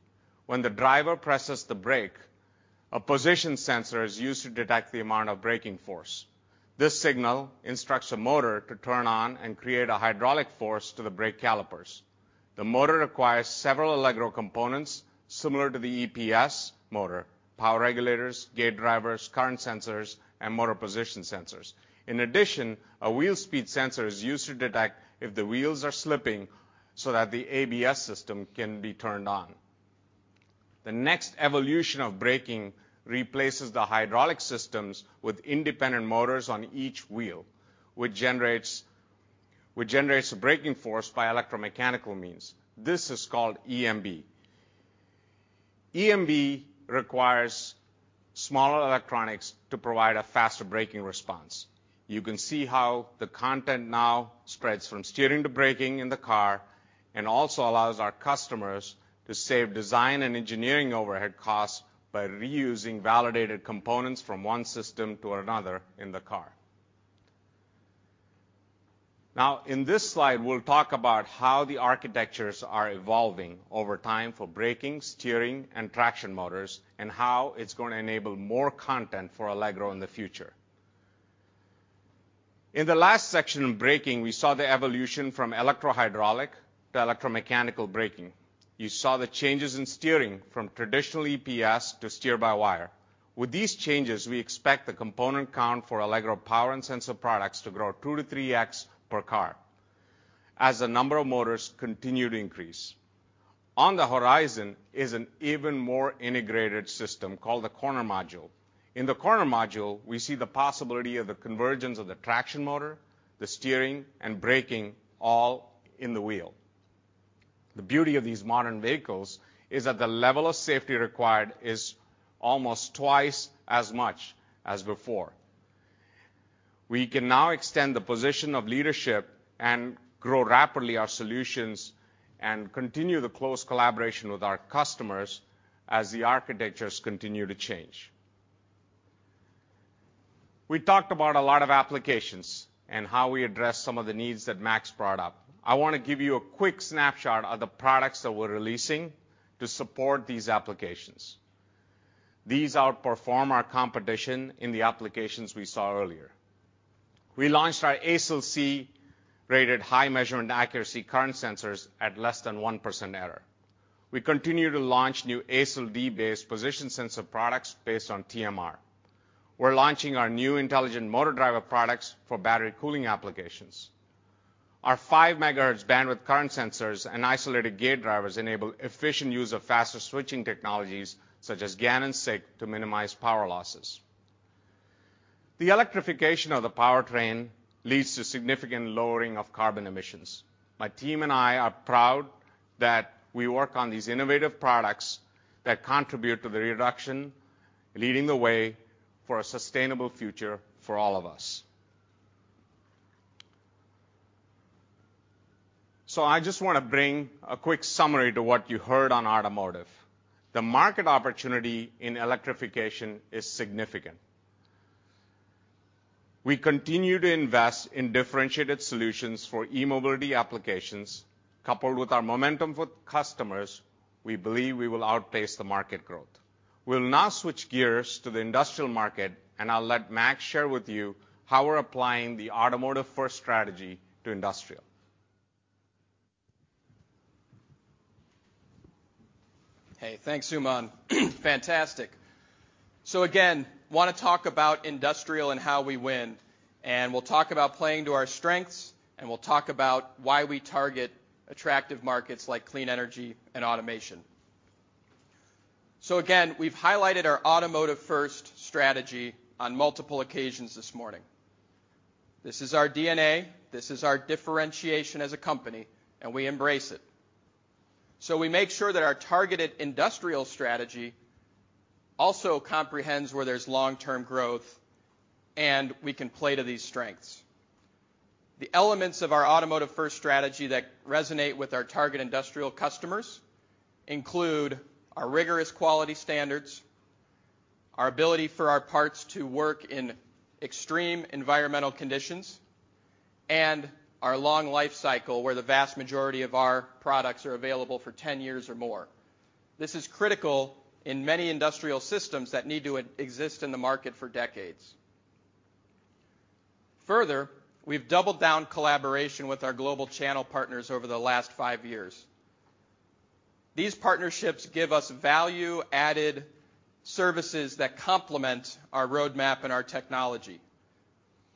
When the driver presses the brake, a position sensor is used to detect the amount of braking force. This signal instructs a motor to turn on and create a hydraulic force to the brake calipers. The motor requires several Allegro components similar to the EPS motor: power regulators, gate drivers, current sensors, and motor position sensors. In addition, a wheel speed sensor is used to detect if the wheels are slipping so that the ABS system can be turned on. The next evolution of braking replaces the hydraulic systems with independent motors on each wheel, which generates a braking force by electromechanical means. This is called EMB. EMB requires smaller electronics to provide a faster braking response. You can see how the content now spreads from steering to braking in the car and also allows our customers to save design and engineering overhead costs by reusing validated components from one system to another in the car. In this slide, we'll talk about how the architectures are evolving over time for braking, steering, and traction motors, and how it's gonna enable more content for Allegro in the future. In the last section on braking, we saw the evolution from electrohydraulic to electromechanical braking. You saw the changes in steering from traditional EPS to steer-by-wire. With these changes, we expect the component count for Allegro power and sensor products to grow 2-3x per car as the number of motors continue to increase. On the horizon is an even more integrated system called the corner module. In the corner module, we see the possibility of the convergence of the traction motor, the steering, and braking all in the wheel. The beauty of these modern vehicles is that the level of safety required is almost twice as much as before. We can now extend the position of leadership and grow rapidly our solutions and continue the close collaboration with our customers as the architectures continue to change. We talked about a lot of applications and how we address some of the needs that Max brought up. I wanna give you a quick snapshot of the products that we're releasing to support these applications. These outperform our competition in the applications we saw earlier. We launched our ASIL C-rated high measurement accuracy current sensors at less than 1% error. We continue to launch new ASIL D based position sensor products based on TMR. We're launching our new intelligent motor driver products for battery cooling applications. Our 5 megahertz bandwidth current sensors and isolated gate drivers enable efficient use of faster switching technologies such as GaN and SiC to minimize power losses. The electrification of the powertrain leads to significant lowering of carbon emissions. My team and I are proud that we work on these innovative products that contribute to the reduction, leading the way for a sustainable future for all of us. I just wanna bring a quick summary to what you heard on automotive. The market opportunity in electrification is significant. We continue to invest in differentiated solutions for e-mobility applications. Coupled with our momentum for customers, we believe we will outpace the market growth. We'll now switch gears to the industrial market, and I'll let Max share with you how we're applying the automotive-first strategy to industrial. Hey, thanks, Suman. Fantastic. Again, wanna talk about industrial and how we win, and we'll talk about playing to our strengths, and we'll talk about why we target attractive markets like clean energy and automation. Again, we've highlighted our automotive-first strategy on multiple occasions this morning. This is our DNA, this is our differentiation as a company, and we embrace it. We make sure that our targeted industrial strategy also comprehends where there's long-term growth, and we can play to these strengths. The elements of our automotive-first strategy that resonate with our target industrial customers include our rigorous quality standards, our ability for our parts to work in extreme environmental conditions, and our long life cycle, where the vast majority of our products are available for 10 years or more. This is critical in many industrial systems that need to e-exist in the market for decades. Further, we've doubled down collaboration with our global channel partners over the last five years. These partnerships give us value-added services that complement our roadmap and our technology.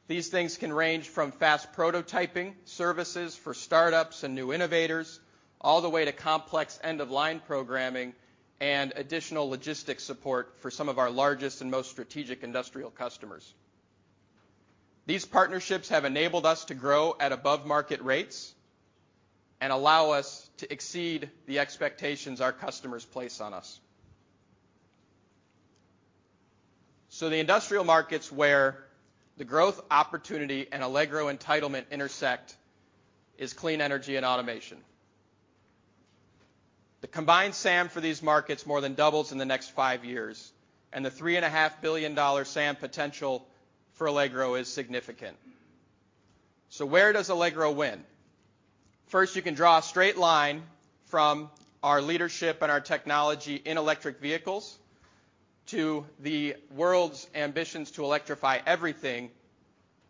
These things can range from fast prototyping services for startups and new innovators, all the way to complex end-of-line programming and additional logistics support for some of our largest and most strategic industrial customers. These partnerships have enabled us to grow at above market rates and allow us to exceed the expectations our customers place on us. The industrial markets where the growth opportunity and Allegro entitlement intersect is clean energy and automation. The combined SAM for these markets more than doubles in the next five years, and the $3.5 billion SAM potential for Allegro is significant. Where does Allegro win? First, you can draw a straight line from our leadership and our technology in electric vehicles to the world's ambitions to electrify everything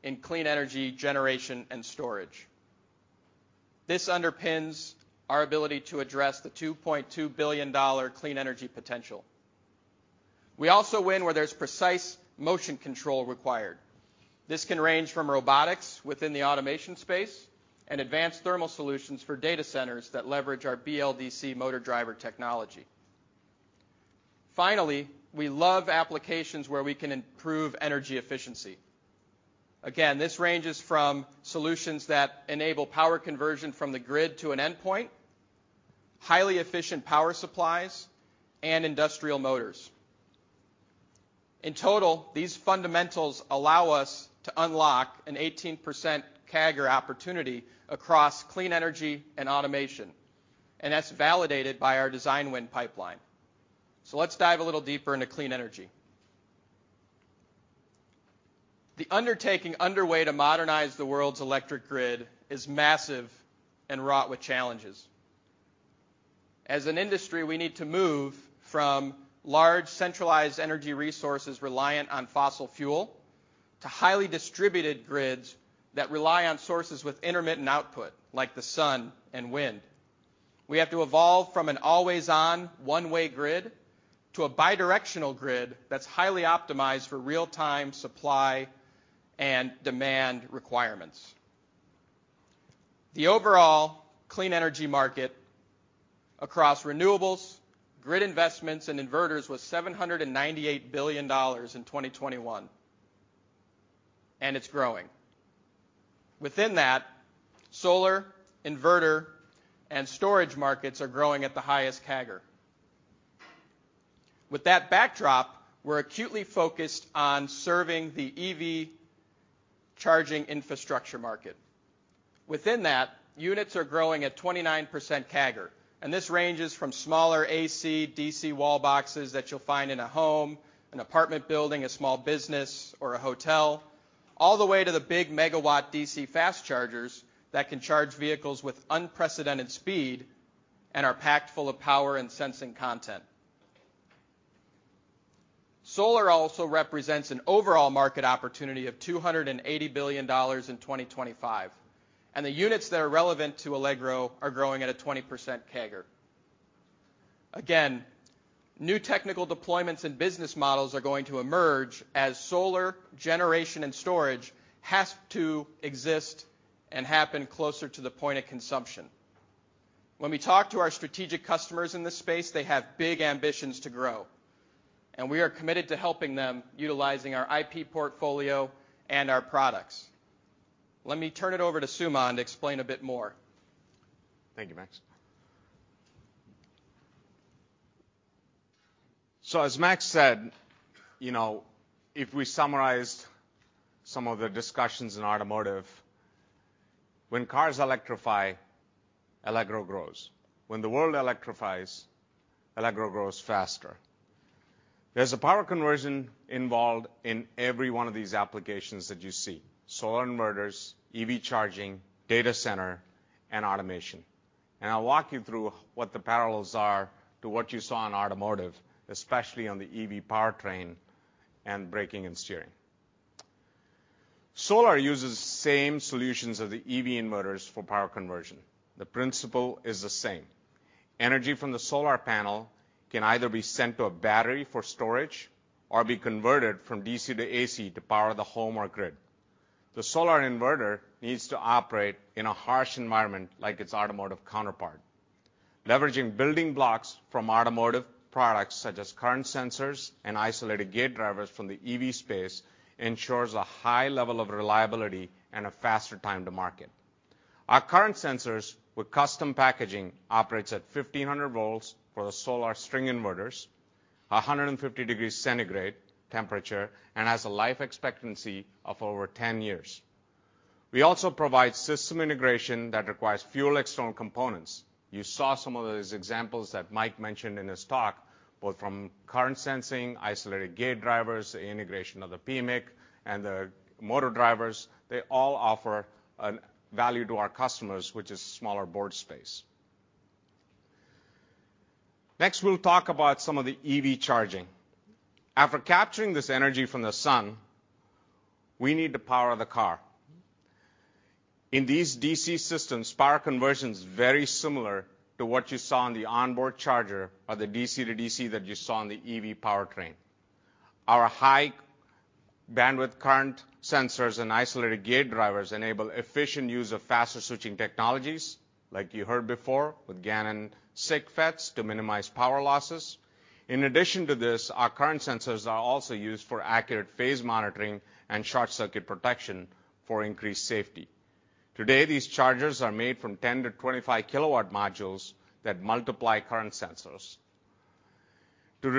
in clean energy generation and storage. This underpins our ability to address the $2.2 billion clean energy potential. We also win where there's precise motion control required. This can range from robotics within the automation space and advanced thermal solutions for data centers that leverage our BLDC motor driver technology. Finally, we love applications where we can improve energy efficiency. Again, this ranges from solutions that enable power conversion from the grid to an endpoint, highly efficient power supplies, and industrial motors. In total, these fundamentals allow us to unlock an 18% CAGR opportunity across clean energy and automation, and that's validated by our Design Win pipeline. Let's dive a little deeper into clean energy. The undertaking underway to modernize the world's electric grid is massive and wrought with challenges. As an industry, we need to move from large, centralized energy resources reliant on fossil fuel to highly distributed grids that rely on sources with intermittent output, like the sun and wind. We have to evolve from an always-on, one-way grid to a bi-directional grid that's highly optimized for real-time supply and demand requirements. The overall clean energy market across renewables, grid investments, and inverters was $798 billion in 2021, and it's growing. Within that, solar, inverter, and storage markets are growing at the highest CAGR. With that backdrop, we're acutely focused on serving the EV charging infrastructure market. Within that, units are growing at 29% CAGR, and this ranges from smaller AC, DC wall boxes that you'll find in a home, an apartment building, a small business or a hotel, all the way to the big megawatt DC fast chargers that can charge vehicles with unprecedented speed and are packed full of power and sensing content. Solar also represents an overall market opportunity of $280 billion in 2025, and the units that are relevant to Allegro are growing at a 20% CAGR. New technical deployments and business models are going to emerge as solar generation and storage has to exist and happen closer to the point of consumption. When we talk to our strategic customers in this space, they have big ambitions to grow, and we are committed to helping them utilizing our IP portfolio and our products. Let me turn it over to Suman to explain a bit more. Thank you, Max. As Max said, you know, if we summarized some of the discussions in automotive, when cars electrify, Allegro grows. When the world electrifies, Allegro grows faster. There's a power conversion involved in every one of these applications that you see, solar inverters, EV charging, data center, and automation. I'll walk you through what the parallels are to what you saw in automotive, especially on the EV powertrain and braking and steering. Solar uses same solutions as the EV inverters for power conversion. The principle is the same. Energy from the solar panel can either be sent to a battery for storage or be converted from DC to AC to power the home or grid. The solar inverter needs to operate in a harsh environment like its automotive counterpart. Leveraging building blocks from automotive products, such as current sensors and isolated gate drivers from the EV space ensures a high level of reliability and a faster time to market. Our current sensors with custom packaging operates at 1,500 volts for the solar string inverters, 150 degrees Centigrade temperature, and has a life expectancy of over 10 years. We also provide system integration that requires fewer external components. You saw some of those examples that Mike mentioned in his talk, both from current sensing, isolated gate drivers, the integration of the PMIC, and the motor drivers. They all offer a value to our customers, which is smaller board space. Next, we'll talk about some of the EV charging. After capturing this energy from the sun, we need to power the car. In these DC systems, power conversion is very similar to what you saw in the onboard charger or the DC to DC that you saw in the EV powertrain. Our high bandwidth current sensors and isolated gate drivers enable efficient use of faster switching technologies, like you heard before, with GaN and SiC FETs to minimize power losses. In addition to this, our current sensors are also used for accurate phase monitoring and short circuit protection for increased safety. Today, these chargers are made from 10 to 25 kilowatt modules that multiply current sensors. As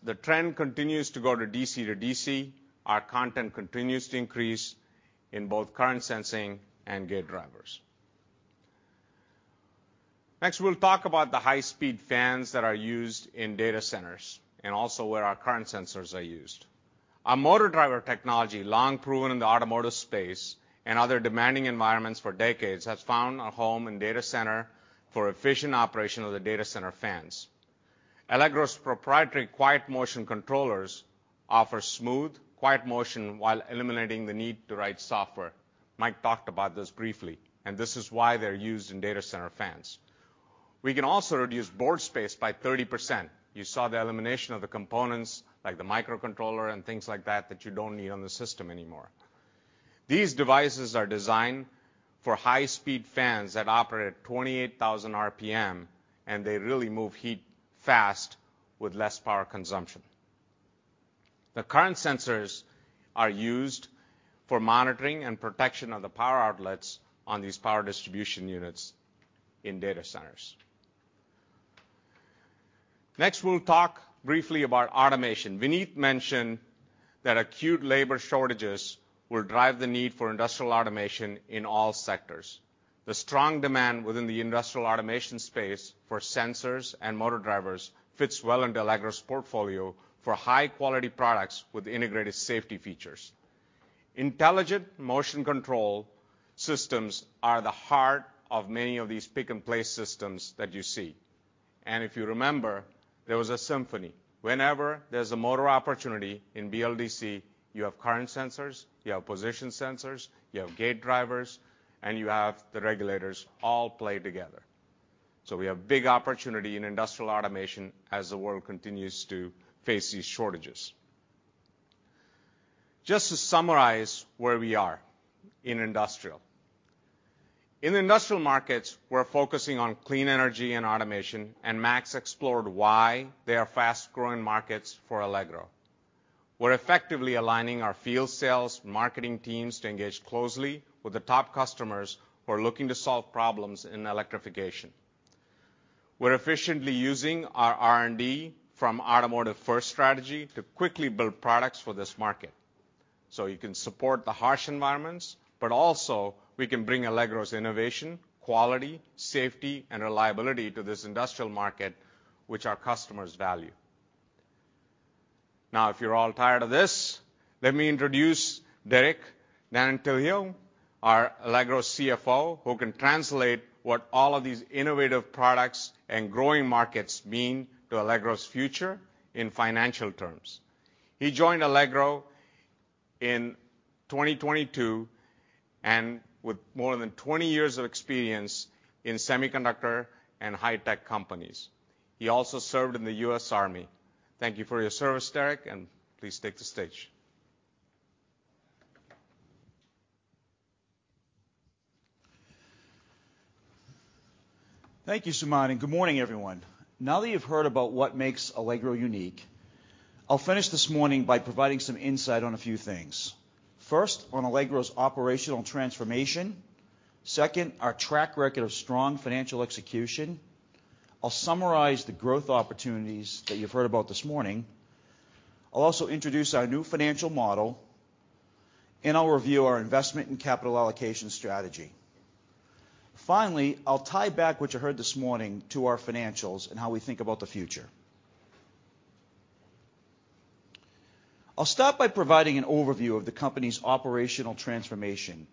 the trend continues to go to DC to DC, our content continues to increase in both current sensing and gate drivers. Next, we'll talk about the high-speed fans that are used in data centers and also where our current sensors are used. Our motor driver technology, long proven in the automotive space and other demanding environments for decades, has found a home in data center for efficient operation of the data center fans. Allegro's proprietary QuietMotion controllers offer smooth, quiet motion while eliminating the need to write software. Mike talked about this briefly, and this is why they're used in data center fans. We can also reduce board space by 30%. You saw the elimination of the components, like the microcontroller and things like that that you don't need on the system anymore. These devices are designed for high-speed fans that operate at 28,000 RPM, and they really move heat fast with less power consumption. The current sensors are used for monitoring and protection of the power outlets on these power distribution units in data centers. We'll talk briefly about automation. Vineet mentioned that acute labor shortages will drive the need for industrial automation in all sectors. The strong demand within the industrial automation space for sensors and motor drivers fits well into Allegro's portfolio for high-quality products with integrated safety features. Intelligent motion control systems are the heart of many of these pick-and-place systems that you see. If you remember, there was a symphony. Whenever there's a motor opportunity in BLDC, you have current sensors, you have position sensors, you have gate drivers, and you have the regulators all play together. We have big opportunity in industrial automation as the world continues to face these shortages. Just to summarize where we are in industrial. In the industrial markets, we're focusing on clean energy and automation. Max explored why they are fast-growing markets for Allegro. We're effectively aligning our field sales marketing teams to engage closely with the top customers who are looking to solve problems in electrification. We're efficiently using our R&D from automotive-first strategy to quickly build products for this market. We can support the harsh environments, also we can bring Allegro's innovation, quality, safety, and reliability to this industrial market, which our customers value. If you're all tired of this, let me introduce Derek D'Antilio, our Allegro CFO, who can translate what all of these innovative products and growing markets mean to Allegro's future in financial terms. He joined Allegro in 2022, with more than 20 years of experience in semiconductor and high-tech companies. He also served in the U.S. Army. Thank you for your service, Derek, and please take the stage. Thank you, Suman, and good morning, everyone. Now that you've heard about what makes Allegro unique, I'll finish this morning by providing some insight on a few things. First, on Allegro's operational transformation. Second, our track record of strong financial execution. I'll summarize the growth opportunities that you've heard about this morning. I'll also introduce our new financial model, and I'll review our investment and capital allocation strategy. Finally, I'll tie back what you heard this morning to our financials and how we think about the future. I'll start by providing an overview of the company's operational transformation,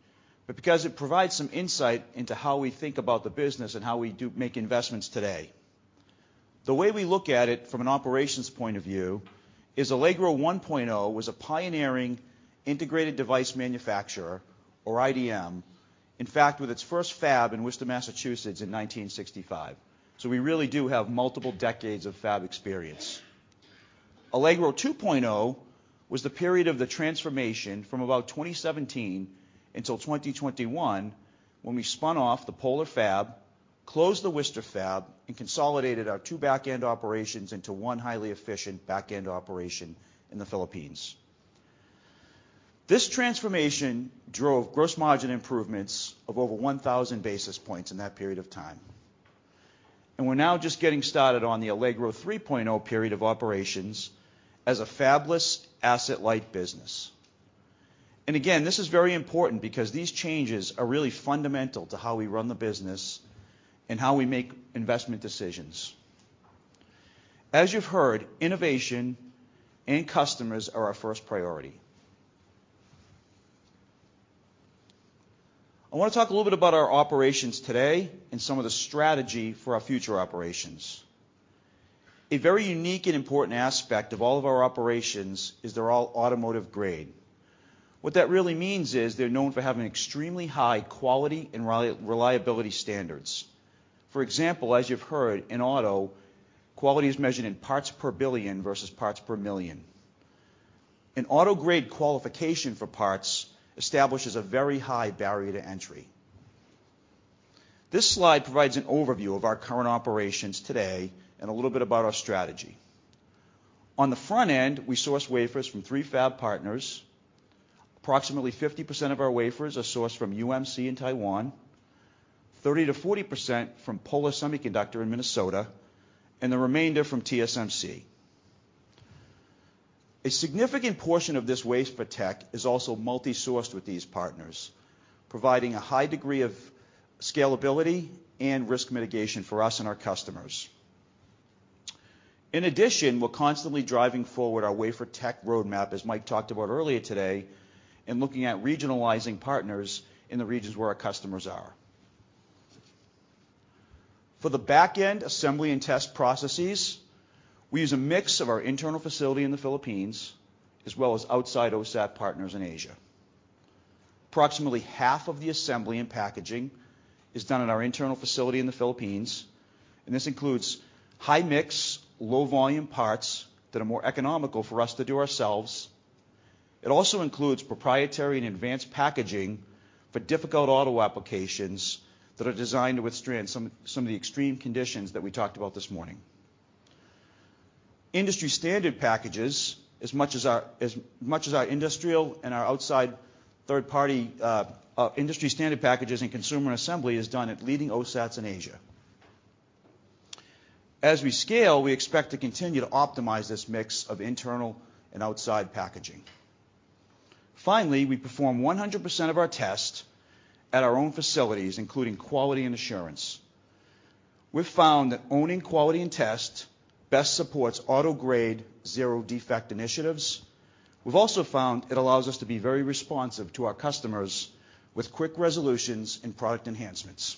but because it provides some insight into how we think about the business and how we do make investments today. The way we look at it from an operations point of view is Allegro 1.0 was a pioneering integrated device manufacturer, or IDM, in fact, with its first fab in Worcester, Massachusetts, in 1965. We really do have multiple decades of fab experience. Allegro 2.0 was the period of the transformation from about 2017 until 2021 when we spun off the Polar fab, closed the Worcester fab, and consolidated our two back-end operations into one highly efficient back-end operation in the Philippines. This transformation drove gross margin improvements of over 1,000 basis points in that period of time. We're now just getting started on the Allegro 3.0 period of operations as a fabless asset-light business. Again, this is very important because these changes are really fundamental to how we run the business and how we make investment decisions. As you've heard, innovation and customers are our first priority. I want to talk a little bit about our operations today and some of the strategy for our future operations. A very unique and important aspect of all of our operations is they're all automotive-grade. What that really means is they're known for having extremely high quality and reliability standards. For example, as you've heard, in auto, quality is measured in parts per billion versus parts per million. An auto-grade qualification for parts establishes a very high barrier to entry. This slide provides an overview of our current operations today and a little bit about our strategy. On the front end, we source wafers from three fab partners. Approximately 50% of our wafers are sourced from UMC in Taiwan, 30%-40% from Polar Semiconductor in Minnesota, and the remainder from TSMC. A significant portion of this wafer tech is also multi-sourced with these partners, providing a high degree of scalability and risk mitigation for us and our customers. In addition, we're constantly driving forward our wafer tech roadmap, as Mike talked about earlier today, and looking at regionalizing partners in the regions where our customers are. For the back-end assembly and test processes, we use a mix of our internal facility in the Philippines as well as outside OSAT partners in Asia. Approximately half of the assembly and packaging is done at our internal facility in the Philippines, and this includes high-mix, low-volume parts that are more economical for us to do ourselves. It also includes proprietary and advanced packaging for difficult auto applications that are designed to withstand some of the extreme conditions that we talked about this morning. Industry standard packages, as much as our industrial and our outside third-party industry standard packages and consumer assembly is done at leading OSATs in Asia. As we scale, we expect to continue to optimize this mix of internal and outside packaging. Finally, we perform 100% of our tests at our own facilities, including quality and assurance. We've found that owning quality and test best supports auto grade zero defect initiatives. We've also found it allows us to be very responsive to our customers with quick resolutions and product enhancements.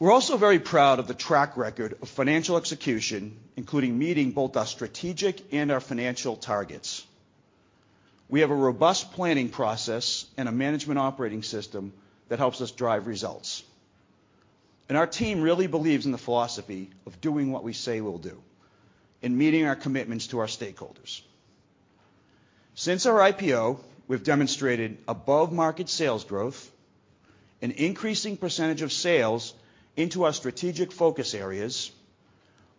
We're also very proud of the track record of financial execution, including meeting both our strategic and our financial targets. We have a robust planning process and a management operating system that helps us drive results. Our team really believes in the philosophy of doing what we say we'll do and meeting our commitments to our stakeholders. Since our IPO, we've demonstrated above-market sales growth, an increasing percentage of sales into our strategic focus areas,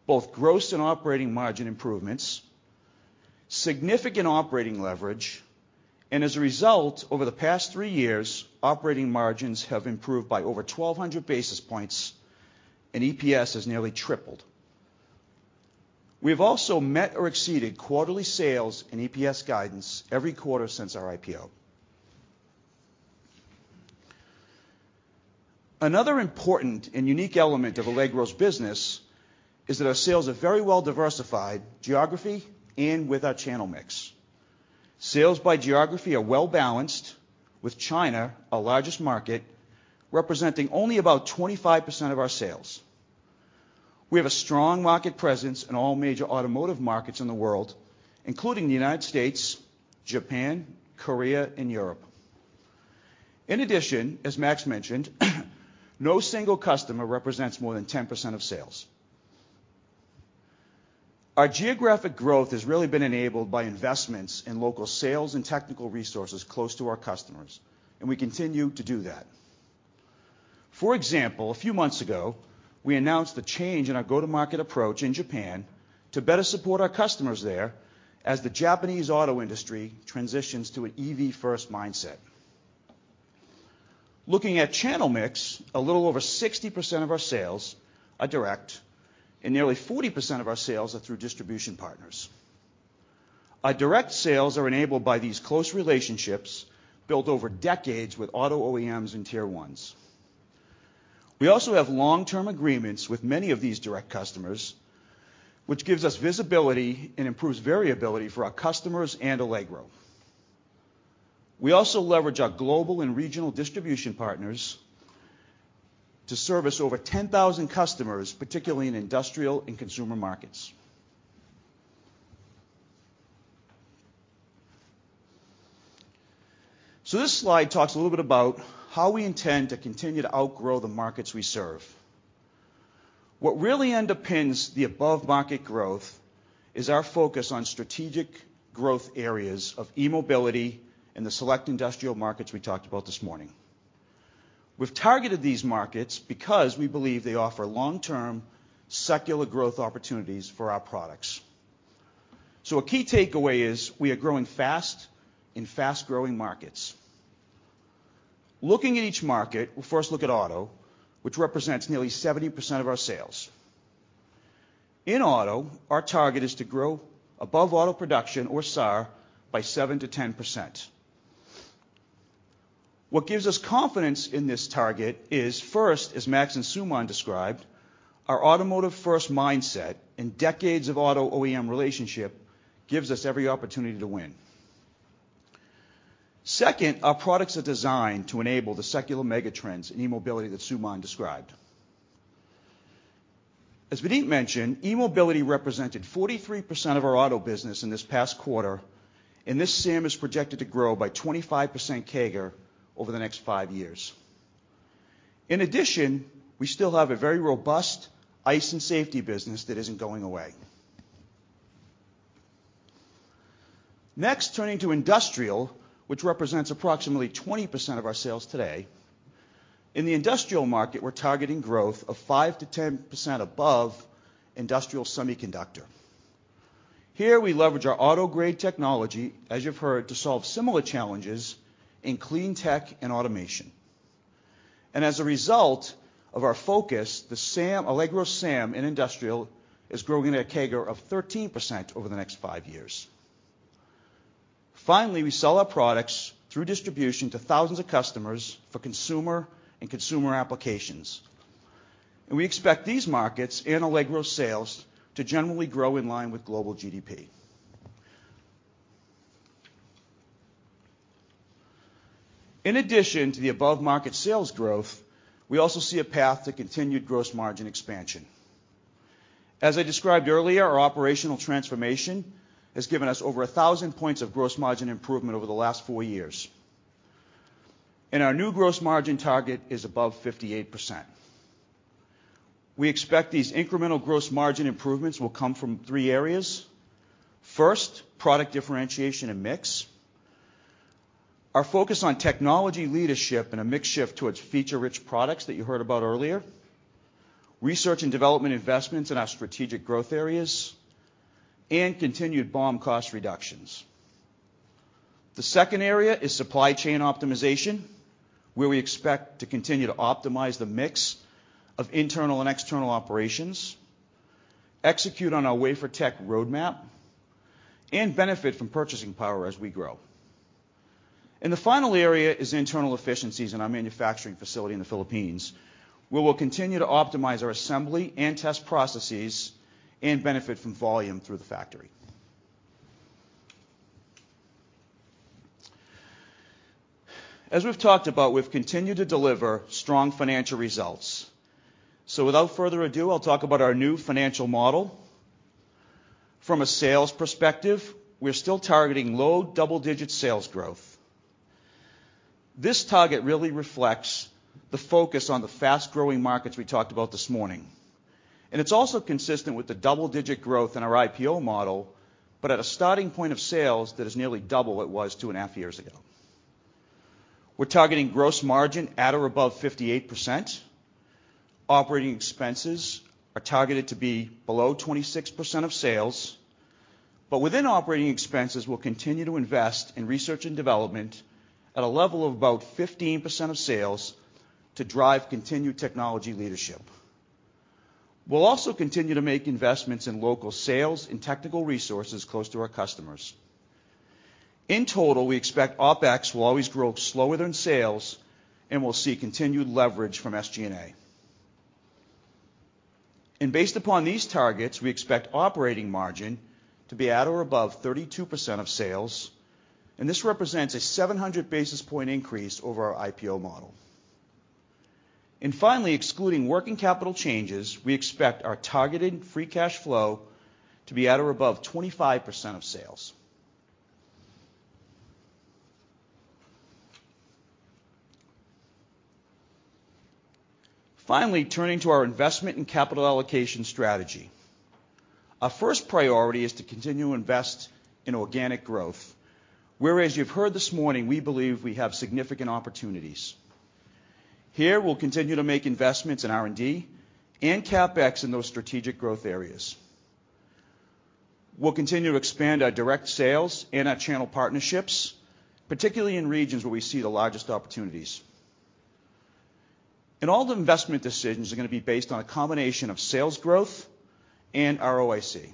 both gross and operating margin improvements, significant operating leverage, and as a result, over the past three years, operating margins have improved by over 1,200 basis points and EPS has nearly tripled. We have also met or exceeded quarterly sales and EPS guidance every quarter since our IPO. Another important and unique element of Allegro's business is that our sales are very well diversified geography and with our channel mix. Sales by geography are well-balanced with China, our largest market, representing only about 25% of our sales. We have a strong market presence in all major automotive markets in the world, including the United States, Japan, Korea, and Europe. As Max mentioned, no single customer represents more than 10% of sales. Our geographic growth has really been enabled by investments in local sales and technical resources close to our customers, and we continue to do that. For example, a few months ago, we announced a change in our go-to-market approach in Japan to better support our customers there as the Japanese auto industry transitions to an EV-first mindset. Looking at channel mix, a little over 60% of our sales are direct and nearly 40% of our sales are through distribution partners. Our direct sales are enabled by these close relationships built over decades with auto OEMs and tier ones. We also have long-term agreements with many of these direct customers, which gives us visibility and improves variability for our customers and Allegro. We also leverage our global and regional distribution partners to service over 10,000 customers, particularly in industrial and consumer markets. This slide talks a little bit about how we intend to continue to outgrow the markets we serve. What really underpins the above market growth is our focus on strategic growth areas of e-mobility and the select industrial markets we talked about this morning. We've targeted these markets because we believe they offer long-term secular growth opportunities for our products. A key takeaway is we are growing fast in fast-growing markets. Looking at each market, we'll first look at auto, which represents nearly 70% of our sales. In auto, our target is to grow above auto production or SAAR by 7%-10%. What gives us confidence in this target is, first, as Max and Suman described, our automotive-first mindset and decades of auto OEM relationship gives us every opportunity to win. Second, our products are designed to enable the secular megatrends in e-mobility that Suman described. As Vineet mentioned, e-mobility represented 43% of our auto business in this past quarter, and this SAM is projected to grow by 25% CAGR over the next five years. In addition, we still have a very robust ICE and safety business that isn't going away. Next, turning to industrial, which represents approximately 20% of our sales today. In the industrial market, we're targeting growth of 5-10% above industrial semiconductor. Here, we leverage our auto-grade technology, as you've heard, to solve similar challenges in clean tech and automation. As a result of our focus, the SAM, Allegro SAM in industrial is growing at a CAGR of 13% over the next 5 years. Finally, we sell our products through distribution to thousands of customers for consumer applications, and we expect these markets and Allegro sales to generally grow in line with global GDP. In addition to the above market sales growth, we also see a path to continued gross margin expansion. As I described earlier, our operational transformation has given us over 1,000 points of gross margin improvement over the last four years. Our new gross margin target is above 58%. We expect these incremental gross margin improvements will come from 3 areas. First, product differentiation and mix. Our focus on technology leadership and a mix shift towards feature-rich products that you heard about earlier, research and development investments in our strategic growth areas, and continued BOM cost reductions. The second area is supply chain optimization, where we expect to continue to optimize the mix of internal and external operations, execute on our wafer tech roadmap, and benefit from purchasing power as we grow. The final area is internal efficiencies in our manufacturing facility in the Philippines, where we'll continue to optimize our assembly and test processes and benefit from volume through the factory. As we've talked about, we've continued to deliver strong financial results. Without further ado, I'll talk about our new financial model. From a sales perspective, we're still targeting low double-digit sales growth. This target really reflects the focus on the fast-growing markets we talked about this morning. It's also consistent with the double-digit growth in our IPO model, but at a starting point of sales that is nearly double what it was two and a half years ago. We're targeting gross margin at or above 58%. Operating expenses are targeted to be below 26% of sales. Within operating expenses, we'll continue to invest in research and development at a level of about 15% of sales to drive continued technology leadership. We'll also continue to make investments in local sales and technical resources close to our customers. In total, we expect OpEx will always grow slower than sales. We'll see continued leverage from SG&A. Based upon these targets, we expect operating margin to be at or above 32% of sales. This represents a 700 basis point increase over our IPO model. Finally, excluding working capital changes, we expect our targeted free cash flow to be at or above 25% of sales. Finally, turning to our investment and capital allocation strategy. Our first priority is to continue to invest in organic growth, where, as you've heard this morning, we believe we have significant opportunities. Here, we'll continue to make investments in R&D and CapEx in those strategic growth areas. We'll continue to expand our direct sales and our channel partnerships, particularly in regions where we see the largest opportunities. All the investment decisions are going to be based on a combination of sales growth and ROIC.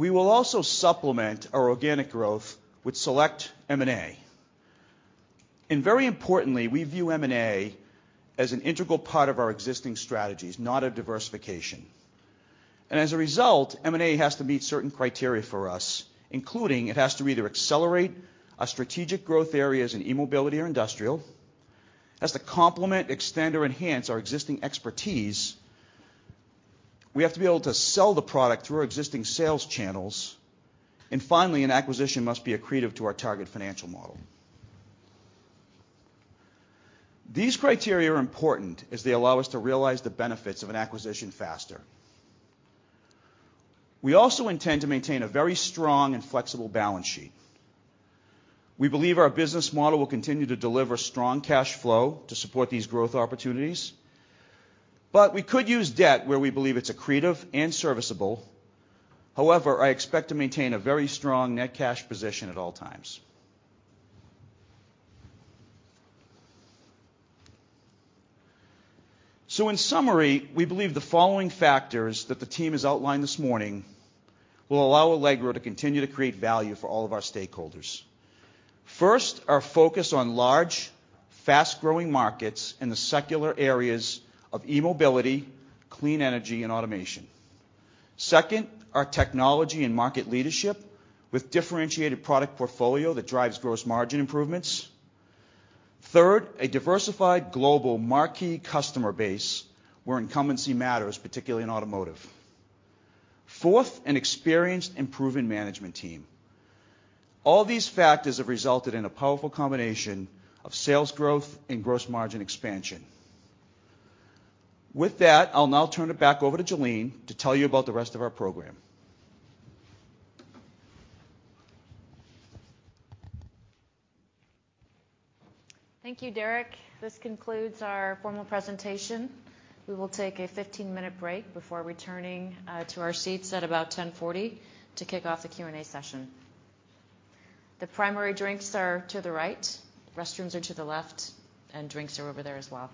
We will also supplement our organic growth with select M&A. Very importantly, we view M&A as an integral part of our existing strategies, not a diversification. As a result, M&A has to meet certain criteria for us, including it has to either accelerate our strategic growth areas in e-mobility or industrial, it has to complement, extend, or enhance our existing expertise. We have to be able to sell the product through our existing sales channels. Finally, an acquisition must be accretive to our target financial model. These criteria are important as they allow us to realize the benefits of an acquisition faster. We also intend to maintain a very strong and flexible balance sheet. We believe our business model will continue to deliver strong cash flow to support these growth opportunities, but we could use debt where we believe it's accretive and serviceable. I expect to maintain a very strong net cash position at all times. In summary, we believe the following factors that the team has outlined this morning will allow Allegro to continue to create value for all of our stakeholders. First, our focus on large, fast-growing markets in the secular areas of e-mobility, clean energy, and automation. Second, our technology and market leadership with differentiated product portfolio that drives gross margin improvements. Third, a diversified global marquee customer base where incumbency matters, particularly in automotive. Fourth, an experienced and proven management team. All these factors have resulted in a powerful combination of sales growth and gross margin expansion. With that, I'll now turn it back over to Jalene to tell you about the rest of our program. Thank you, Derek. This concludes our formal presentation. We will take a 15-minute break before returning to our seats at about 10:40 A.M. to kick off the Q&A session. The primary drinks are to the right, restrooms are to the left. Drinks are over there as well.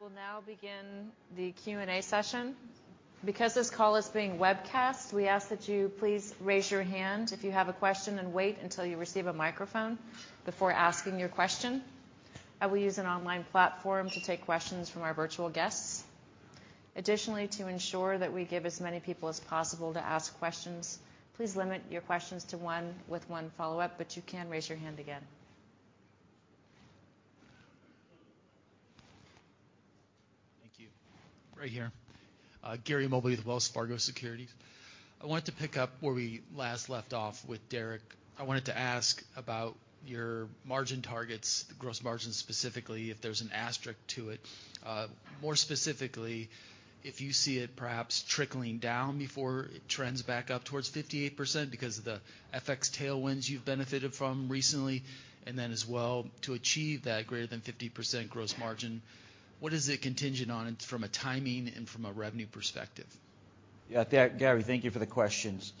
We'll now begin the Q&A session. Because this call is being webcast, we ask that you please raise your hand if you have a question and wait until you receive a microphone before asking your question. I will use an online platform to take questions from our virtual guests. Additionally, to ensure that we give as many people as possible to ask questions, please limit your questions to one with one follow-up, but you can raise your hand again. Thank you. Right here. Gary Mobley with Wells Fargo Securities. I wanted to pick up where we last left off with Derek. I wanted to ask about your margin targets, gross margin specifically, if there's an asterisk to it. More specifically, if you see it perhaps trickling down before it trends back up towards 58% because of the FX tailwinds you've benefited from recently, and then as well to achieve that greater than 50% gross margin, what is it contingent on from a timing and from a revenue perspective? Yeah. Gary, thank you for the questions.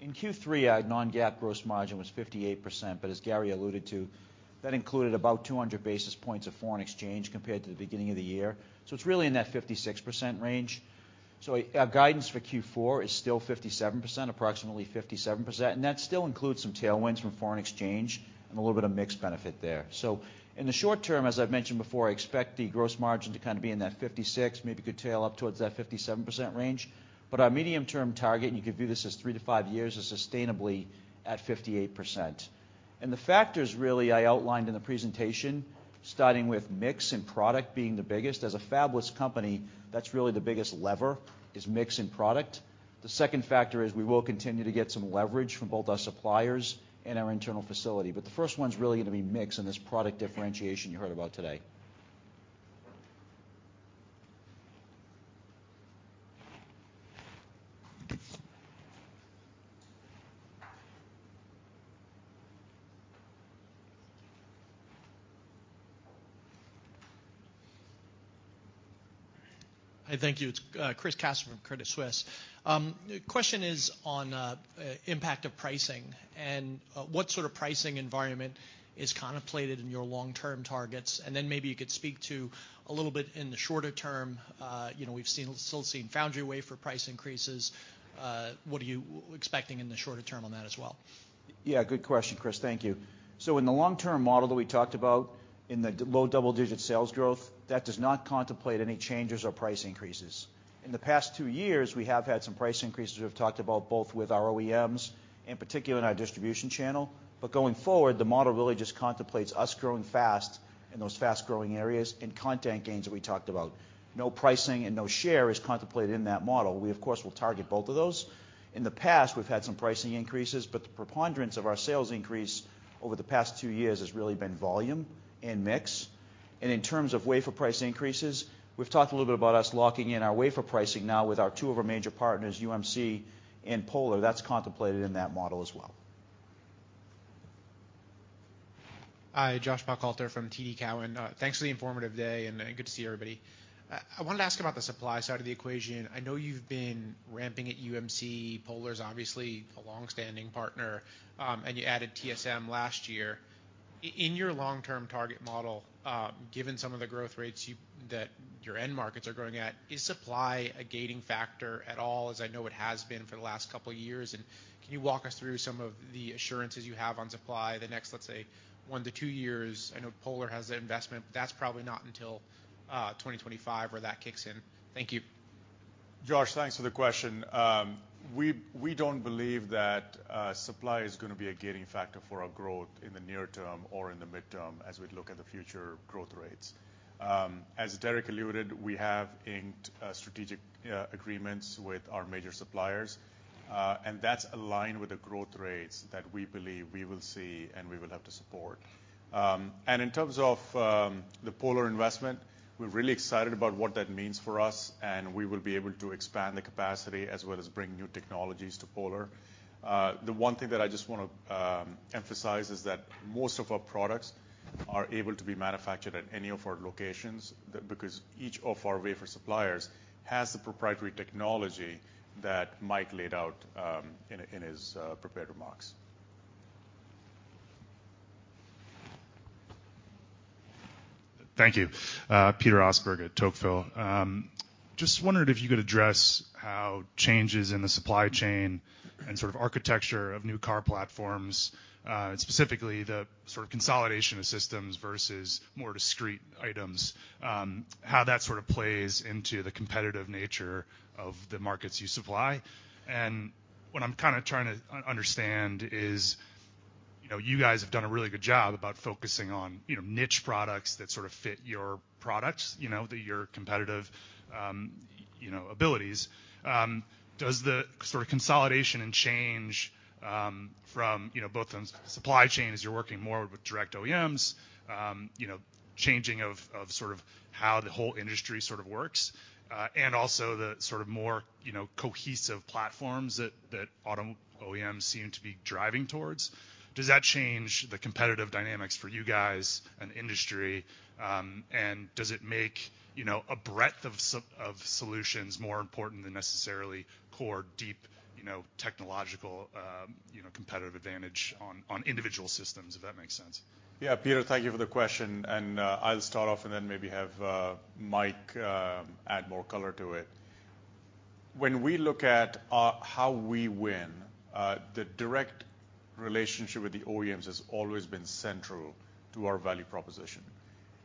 In Q3, our non-GAAP gross margin was 58%, but as Gary alluded to, that included about 200 basis points of foreign exchange compared to the beginning of the year. It's really in that 56% range. Our guidance for Q4 is still 57%, approximately 57%, and that still includes some tailwinds from foreign exchange and a little bit of mix benefit there. In the short term, as I've mentioned before, I expect the gross margin to kind of be in that 56, maybe could tail up towards that 57% range. Our medium-term target, and you could view this as 3-5 years, is sustainably at 58%. The factors really I outlined in the presentation, starting with mix and product being the biggest. As a fabless company, that's really the biggest lever, is mix and product. The second factor is we will continue to get some leverage from both our suppliers and our internal facility. The first one's really gonna be mix and this product differentiation you heard about today. Hi. Thank you. It's Christopher Casso from Credit Suisse. The question is on impact of pricing and what sort of pricing environment is contemplated in your long-term targets. Then maybe you could speak to a little bit in the shorter term, you know, still seeing foundry wafer price increases. What are you expecting in the shorter term on that as well? Yeah, good question, Chris. Thank you. In the long-term model that we talked about, in the low double-digit sales growth, that does not contemplate any changes or price increases. In the past two years, we have had some price increases we've talked about both with our OEMs, in particular in our distribution channel. Going forward, the model really just contemplates us growing fast in those fast-growing areas and content gains that we talked about. No pricing and no share is contemplated in that model. We of course will target both of those. In the past, we've had some pricing increases, but the preponderance of our sales increase over the past two years has really been volume and mix. In terms of wafer price increases, we've talked a little bit about us locking in our wafer pricing now with our two of our major partners, UMC and Polar. That's contemplated in that model as well. Hi, Joshua Buchalter from TD Cowen. Thanks for the informative day, and good to see everybody. I wanted to ask about the supply side of the equation. I know you've been ramping at UMC. Polar's obviously a long-standing partner, and you added TSMC last year. In your long-term target model, given some of the growth rates that your end markets are growing at, is supply a gating factor at all, as I know it has been for the last couple of years? Can you walk us through some of the assurances you have on supply the next, let's say, 1-2 years? I know Polar has the investment. That's probably not until 2025 where that kicks in. Thank you. Josh, thanks for the question. We don't believe that supply is gonna be a gating factor for our growth in the near term or in the mid term as we look at the future growth rates. As Derek alluded, we have inked strategic agreements with our major suppliers, and that's aligned with the growth rates that we believe we will see and we will have to support. In terms of the Polar investment, we're really excited about what that means for us, and we will be able to expand the capacity as well as bring new technologies to Polar. The one thing that I just wanna emphasize is that most of our products are able to be manufactured at any of our locations because each of our wafer suppliers has the proprietary technology that Mike laid out, in his prepared remarks. Thank you. Peter Oser at Tocqueville. Just wondered if you could address how changes in the supply chain and sort of architecture of new car platforms, specifically the sort of consolidation of systems versus more discrete items, how that sort of plays into the competitive nature of the markets you supply? What I'm kind of trying to understand is, you know, you guys have done a really good job about focusing on, you know, niche products that sort of fit your products, you know, that your competitive abilities. Does the sort of consolidation and change, from, you know, both on supply chain as you're working more with direct OEMs, you know, changing of sort of how the whole industry sort of works, and also the sort of more, you know, cohesive platforms that auto OEMs seem to be driving towards. Does that change the competitive dynamics for you guys and industry? Does it make, you know, a breadth of solutions more important than necessarily core deep, you know, technological, you know, competitive advantage on individual systems, if that makes sense? Yeah, Peter, thank you for the question, and I'll start off and then maybe have Mike add more color to it. When we look at how we win, the direct relationship with the OEMs has always been central to our value proposition.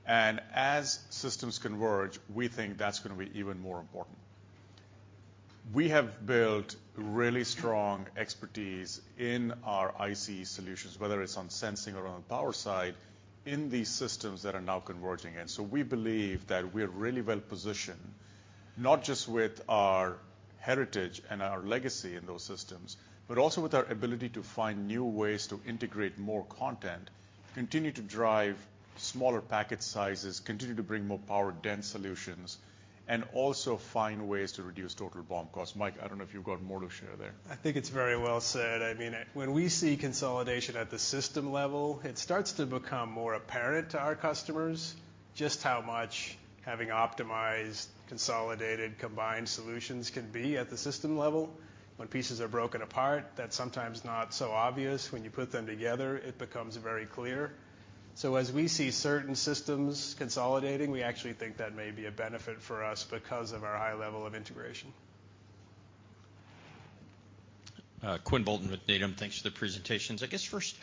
As systems converge, we think that's gonna be even more important. We have built really strong expertise in our IC solutions, whether it's on sensing or on the power side, in these systems that are now converging. We believe that we're really well-positioned, not just with our heritage and our legacy in those systems, but also with our ability to find new ways to integrate more content, continue to drive smaller packet sizes, continue to bring more power-dense solutions, and also find ways to reduce total BOM cost. Mike, I don't know if you've got more to share there? I think it's very well said. I mean, when we see consolidation at the system level, it starts to become more apparent to our customers just how much having optimized, consolidated, combined solutions can be at the system level. When pieces are broken apart, that's sometimes not so obvious. When you put them together, it becomes very clear. As we see certain systems consolidating, we actually think that may be a benefit for us because of our high level of integration. Quinn Bolton with D.A. Davidson. Thanks for the presentations. I guess first,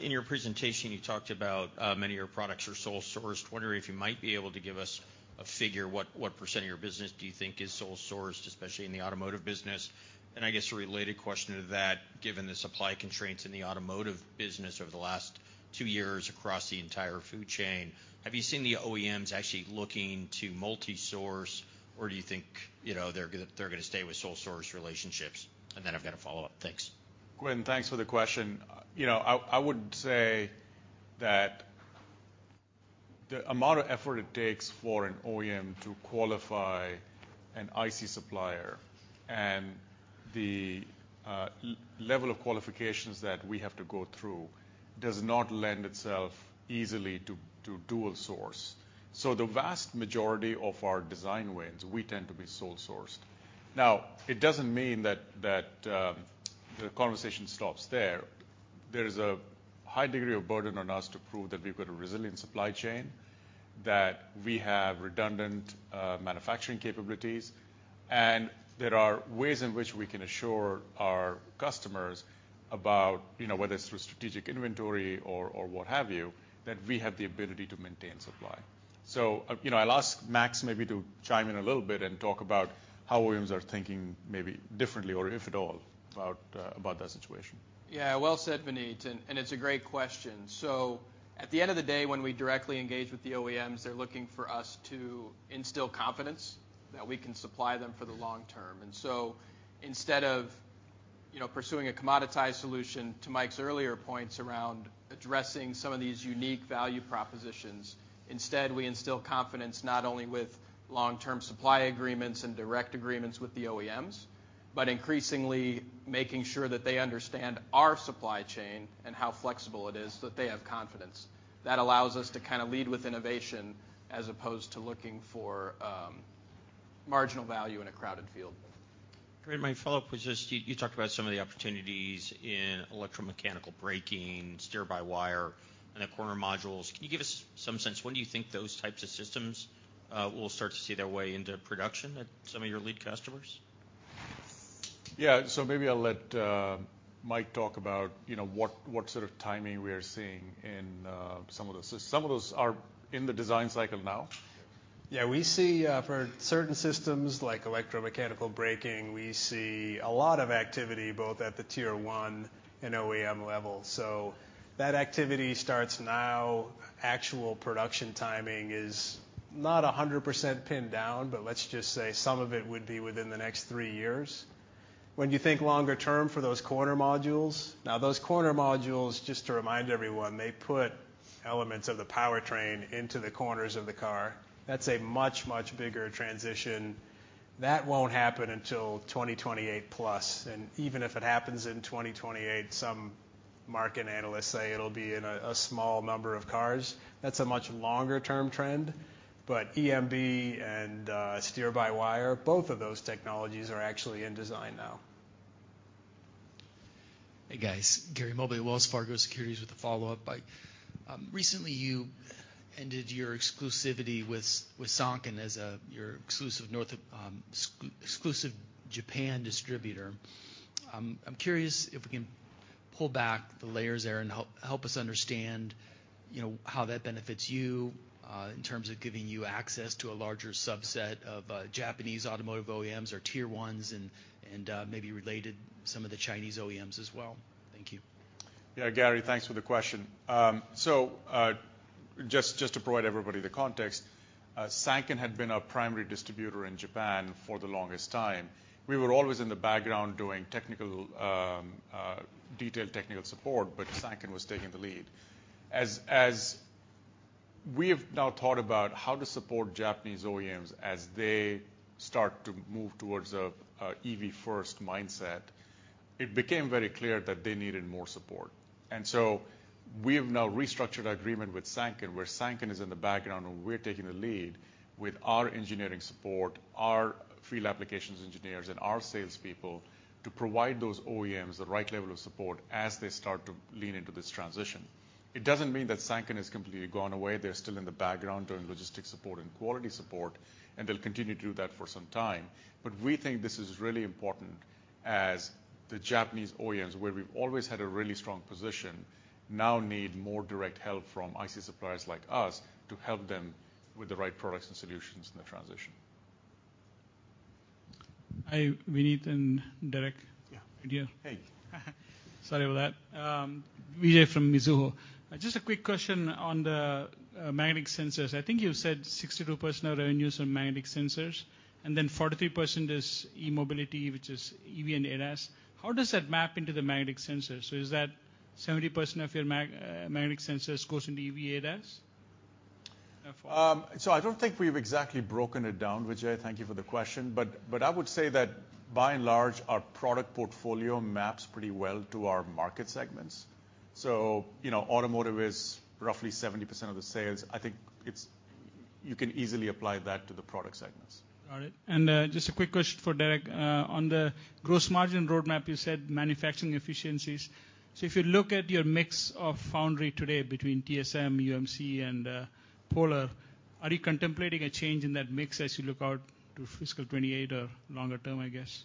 in your presentation, you talked about many of your products are sole sourced. Wondering if you might be able to give us a figure, what percent of your business do you think is sole sourced, especially in the automotive business? I guess a related question to that, given the supply constraints in the automotive business over the last two years across the entire food chain, have you seen the OEMs actually looking to multi-source, or do you think, you know, they're gonna stay with sole source relationships? Then I've got a follow-up. Thanks. Quinn, thanks for the question. You know, I would say that the amount of effort it takes for an OEM to qualify an IC supplier and the level of qualifications that we have to go through does not lend itself easily to dual source. The vast majority of our design wins, we tend to be sole sourced. It doesn't mean that the conversation stops there. There is a high degree of burden on us to prove that we've got a resilient supply chain, that we have redundant manufacturing capabilities, and there are ways in which we can assure our customers about, you know, whether it's through strategic inventory or what have you, that we have the ability to maintain supply. You know, I'll ask Max maybe to chime in a little bit and talk about how OEMs are thinking maybe differently or if at all about that situation. Yeah. Well said, Vineet, and it's a great question. At the end of the day, when we directly engage with the OEMs, they're looking for us to instill confidence that we can supply them for the long term. Instead of, you know, pursuing a commoditized solution, to Mike's earlier points around addressing some of these unique value propositions, instead, we instill confidence not only with long-term supply agreements and direct agreements with the OEMs, but increasingly making sure that they understand our supply chain and how flexible it is so that they have confidence. That allows us to kinda lead with innovation as opposed to looking for marginal value in a crowded field. Great. My follow-up was just you talked about some of the opportunities in electromechanical braking, steer-by-wire, and the corner modules. Can you give us some sense, when do you think those types of systems will start to see their way into production at some of your lead customers? Yeah. Maybe I'll let Mike talk about, you know, what sort of timing we are seeing in some of those systems. Some of those are in the design cycle now. Yeah, we see, for certain systems like electromechanical braking, we see a lot of activity both at the tier one and OEM level. That activity starts now. Actual production timing is not 100% pinned down, but let's just say some of it would be within the next three years. When you think longer term for those corner modules, now, those corner modules, just to remind everyone, they put elements of the powertrain into the corners of the car. That's a much, much bigger transition. That won't happen until 2028 plus, and even if it happens in 2028, some market analysts say it'll be in a small number of cars. That's a much longer term trend. EMB and, steer-by-wire, both of those technologies are actually in design now. Hey, guys. Gary Mobley, Wells Fargo Securities with a follow-up. Like, recently, you ended your exclusivity with Sanken as your exclusive Japan distributor. I'm curious if we can pull back the layers there and help us understand, you know, how that benefits you in terms of giving you access to a larger subset of Japanese automotive OEMs or tier ones and maybe related some of the Chinese OEMs as well. Thank you. Yeah, Gary, thanks for the question. Just to provide everybody the context, Sanken had been our primary distributor in Japan for the longest time. We were always in the background doing technical, detailed technical support, but Sanken was taking the lead. As we have now thought about how to support Japanese OEMs as they start to move towards a EV first mindset, it became very clear that they needed more support. We have now restructured our agreement with Sanken, where Sanken is in the background, and we're taking the lead with our engineering support, our field applications engineers, and our salespeople to provide those OEMs the right level of support as they start to lean into this transition. It doesn't mean that Sanken has completely gone away. They're still in the background doing logistics support and quality support, they'll continue to do that for some time. We think this is really important. As the Japanese OEMs, where we've always had a really strong position, now need more direct help from IC suppliers like us to help them with the right products and solutions in the transition. Hi, Vineet and Derek. Yeah. Here. Hey. Sorry about that. Vijay from Mizuho. Just a quick question on the magnetic sensors. I think you said 62% of revenues on magnetic sensors, and then 43% is e-mobility, which is EV and ADAS. How does that map into the magnetic sensors? Is that 70% of your magnetic sensors goes into EV, ADAS? I don't think we've exactly broken it down, Vijay. Thank you for the question, but I would say that by and large, our product portfolio maps pretty well to our market segments. you know, automotive is roughly 70% of the sales. You can easily apply that to the product segments. Got it. Just a quick question for Derek. On the gross margin roadmap, you said manufacturing efficiencies. If you look at your mix of foundry today between TSM, UMC and Polar, are you contemplating a change in that mix as you look out to fiscal 2028 or longer term, I guess?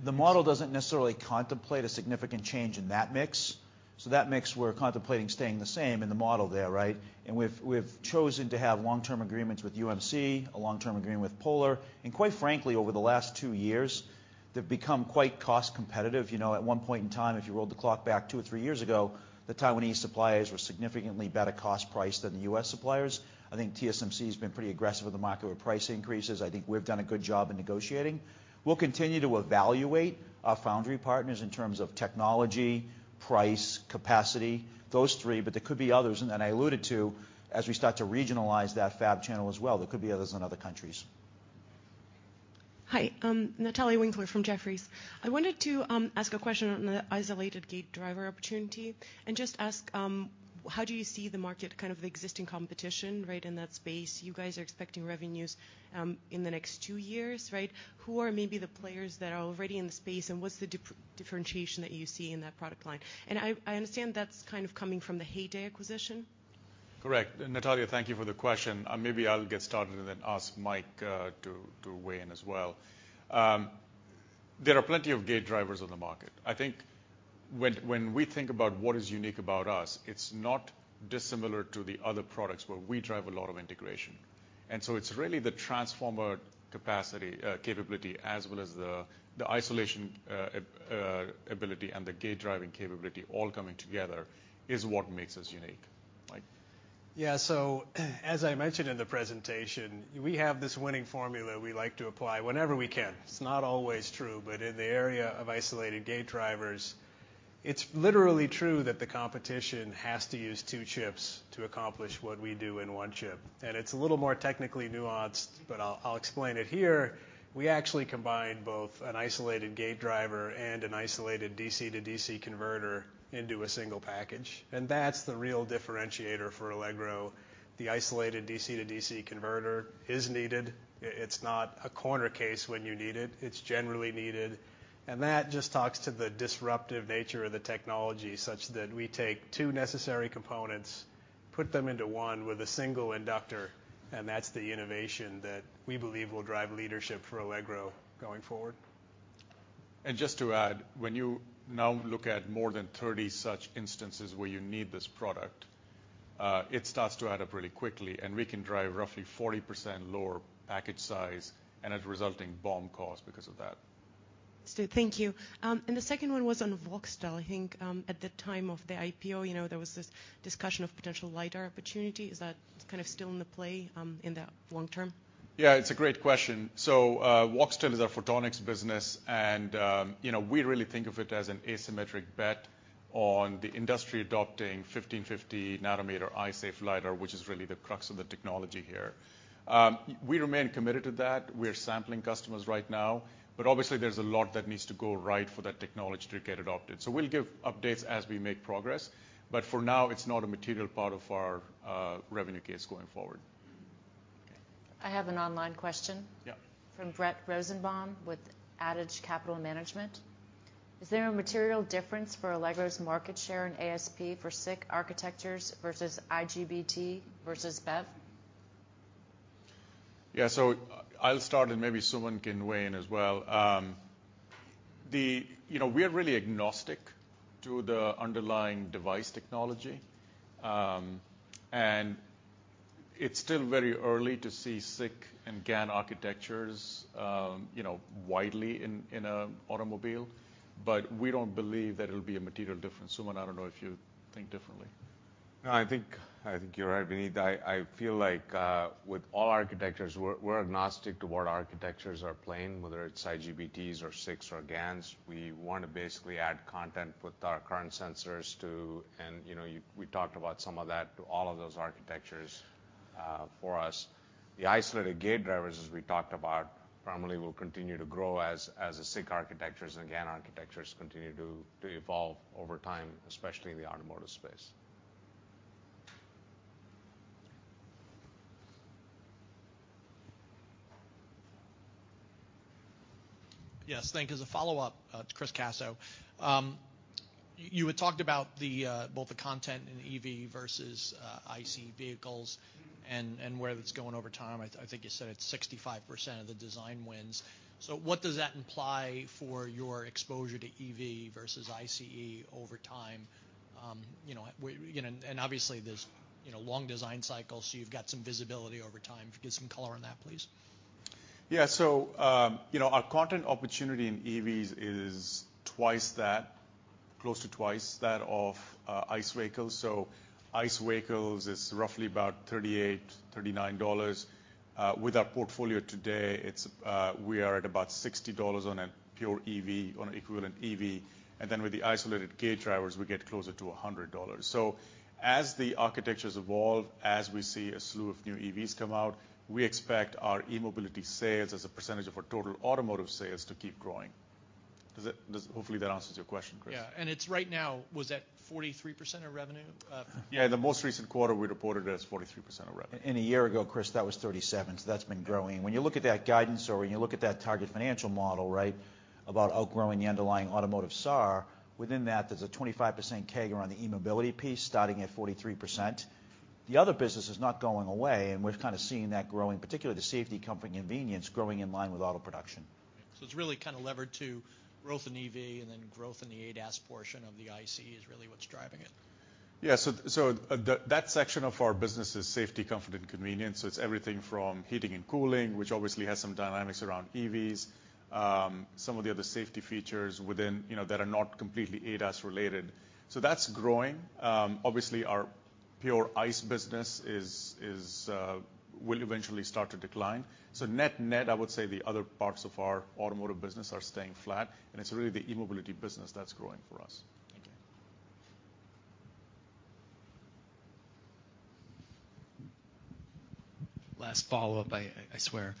The model doesn't necessarily contemplate a significant change in that mix. That mix, we're contemplating staying the same in the model there, right? We've chosen to have long-term agreements with UMC, a long-term agreement with Polar, and quite frankly, over the last two years, they've become quite cost-competitive. You know, at one point in time, if you rolled the clock back two or three years ago, the Taiwanese suppliers were significantly better cost-priced than the U.S. suppliers. I think TSMC has been pretty aggressive with the market with price increases. I think we've done a good job in negotiating. We'll continue to evaluate our foundry partners in terms of technology, price, capacity, those three, but there could be others. I alluded to, as we start to regionalize that fab channel as well, there could be others in other countries. Hi. Natalia Winkler from Jefferies. I wanted to ask a question on the isolated gate driver opportunity and just ask, how do you see the market, kind of the existing competition, right, in that space? You guys are expecting revenues in the next two years, right? Who are maybe the players that are already in the space, and what's the differentiation that you see in that product line? I understand that's kind of coming from the Heyday acquisition. Correct. Natalia, thank you for the question. Maybe I'll get started and then ask Mike to weigh in as well. There are plenty of gate drivers in the market. I think when we think about what is unique about us, it's not dissimilar to the other products, but we drive a lot of integration. It's really the transformer capacity capability as well as the isolation ability and the gate driving capability all coming together is what makes us unique. Mike. Yeah. As I mentioned in the presentation, we have this winning formula we like to apply whenever we can. It's not always true, but in the area of isolated gate drivers, it's literally true that the competition has to use two chips to accomplish what we do in one chip. It's a little more technically nuanced, but I'll explain it here. We actually combine both an isolated gate driver and an isolated DC-to-DC converter into a single package, and that's the real differentiator for Allegro. The isolated DC-to-DC converter is needed. It's not a corner case when you need it's generally needed. That just talks to the disruptive nature of the technology, such that we take two necessary components, put them into 1 with a single inductor, and that's the innovation that we believe will drive leadership for Allegro going forward. Just to add, when you now look at more than 30 such instances where you need this product, it starts to add up really quickly, and we can drive roughly 40% lower package size and a resulting BOM cost because of that. Still. Thank you. The second one was on Voxtel. I think, at the time of the IPO, you know, there was this discussion of potential LiDAR opportunity. Is that kind of still in the play, in the long term? Yeah, it's a great question. Voxtel is our photonics business, and, you know, we really think of it as an asymmetric bet on the industry adopting 1550 nm eye-safe LiDAR, which is really the crux of the technology here. We remain committed to that. We're sampling customers right now, obviously, there's a lot that needs to go right for that technology to get adopted. We'll give updates as we make progress, for now, it's not a material part of our revenue case going forward. I have an online question. Yeah. From Brett Rosenbaum with Adage Capital Management. Is there a material difference for Allegro's market share in ASP for SiC architectures versus IGBT versus BEV? Yeah. I'll start and maybe Suman can weigh in as well. You know, we are really agnostic to the underlying device technology, and it's still very early to see SiC and GaN architectures, you know, widely in a automobile, but we don't believe that it'll be a material difference. Suman, I don't know if you think differently. I think you're right, Vineet. I feel like, with all architectures, we're agnostic to what architectures are playing, whether it's IGBTs or SiCs or GaNs. We want to basically add content with our current sensors to. You know, we talked about some of that to all of those architectures for us. The isolated gate drivers, as we talked about, primarily will continue to grow as the SiC architectures and GaN architectures continue to evolve over time, especially in the automotive space. Yes. Thank you. As a follow-up, it's Chris Caso. You had talked about the both the content in EV versus ICE vehicles and where it's going over time. I think you said it's 65% of the design wins. What does that imply for your exposure to EV versus ICE over time? You know, obviously there's, you know, long design cycles, so you've got some visibility over time. If you could give some color on that, please. Yeah. you know, our content opportunity in EVs is twice that, close to twice that of ICE vehicles. ICE vehicles is roughly about $38-$39. With our portfolio today, it's, we are at about $60 on a pure EV, on an equivalent EV. Then with the isolated gate drivers, we get closer to $100. As the architectures evolve, as we see a slew of new EVs come out, we expect our e-mobility sales as a percentage of our total automotive sales to keep growing. Does that... Does... Hopefully, that answers your question, Chris. Yeah. It's right now, was at 43% of revenue. Yeah, the most recent quarter we reported it as 43% of revenue. A year ago, Chris, that was 37, so that's been growing. When you look at that guidance or when you look at that target financial model, right, about outgrowing the underlying automotive SAAR, within that, there's a 25% CAGR on the e-mobility piece starting at 43%. The other business is not going away, we're kind of seeing that growing, particularly the safety, comfort, and convenience growing in line with auto production. It's really kind of levered to growth in EV and then growth in the ADAS portion of the ICE is really what's driving it. The section of our business is safety, comfort, and convenience. It's everything from heating and cooling, which obviously has some dynamics around EVs, some of the other safety features within, you know, that are not completely ADAS related. That's growing. Obviously, our pure ICE business will eventually start to decline. Net-net, I would say the other parts of our automotive business are staying flat, and it's really the e-mobility business that's growing for us. Thank you. Last follow-up, I swear.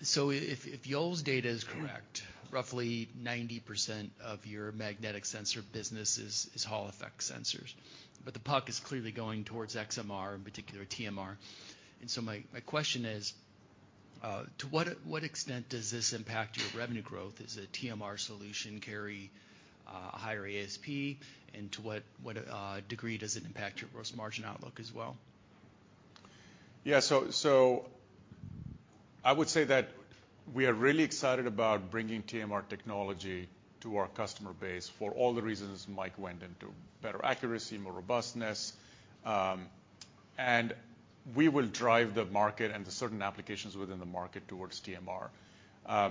If Yole's data is correct, roughly 90% of your magnetic sensor business is Hall effect sensors. The puck is clearly going towards XMR, in particular TMR. My question is, to what extent does this impact your revenue growth? Does a TMR solution carry a higher ASP? To what degree does it impact your gross margin outlook as well? I would say that we are really excited about bringing TMR technology to our customer base for all the reasons Mike went into, better accuracy, more robustness. We will drive the market and certain applications within the market towards TMR.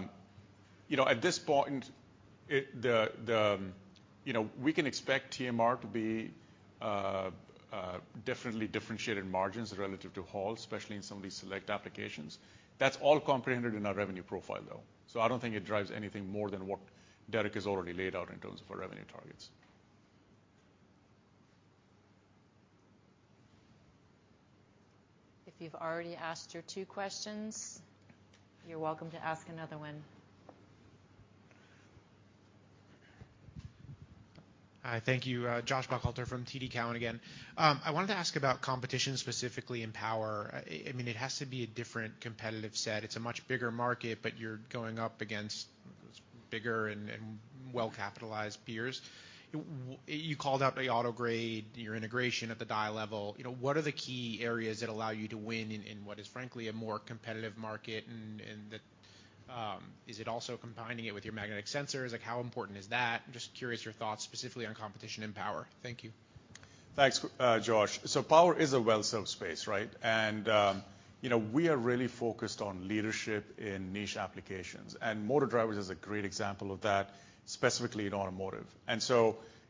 You know, at this point, you know, we can expect TMR to be definitely differentiated margins relative to Hall, especially in some of these select applications. That's all comprehended in our revenue profile, though. I don't think it drives anything more than what Derek has already laid out in terms of our revenue targets. If you've already asked your two questions, you're welcome to ask another one. Hi, thank you. Josh Buchalter from TD Cowen again. I wanted to ask about competition, specifically in power. I mean, it has to be a different competitive set. It's a much bigger market, but you're going up against bigger and well-capitalized peers. You called out the auto grade, your integration at the die level. You know, what are the key areas that allow you to win in what is frankly a more competitive market? That, is it also combining it with your magnetic sensors? Like, how important is that? I'm just curious your thoughts specifically on competition in power. Thank you. Thanks, Josh. Power is a well-served space, right? You know, we are really focused on leadership in niche applications, and motor drivers is a great example of that, specifically in automotive.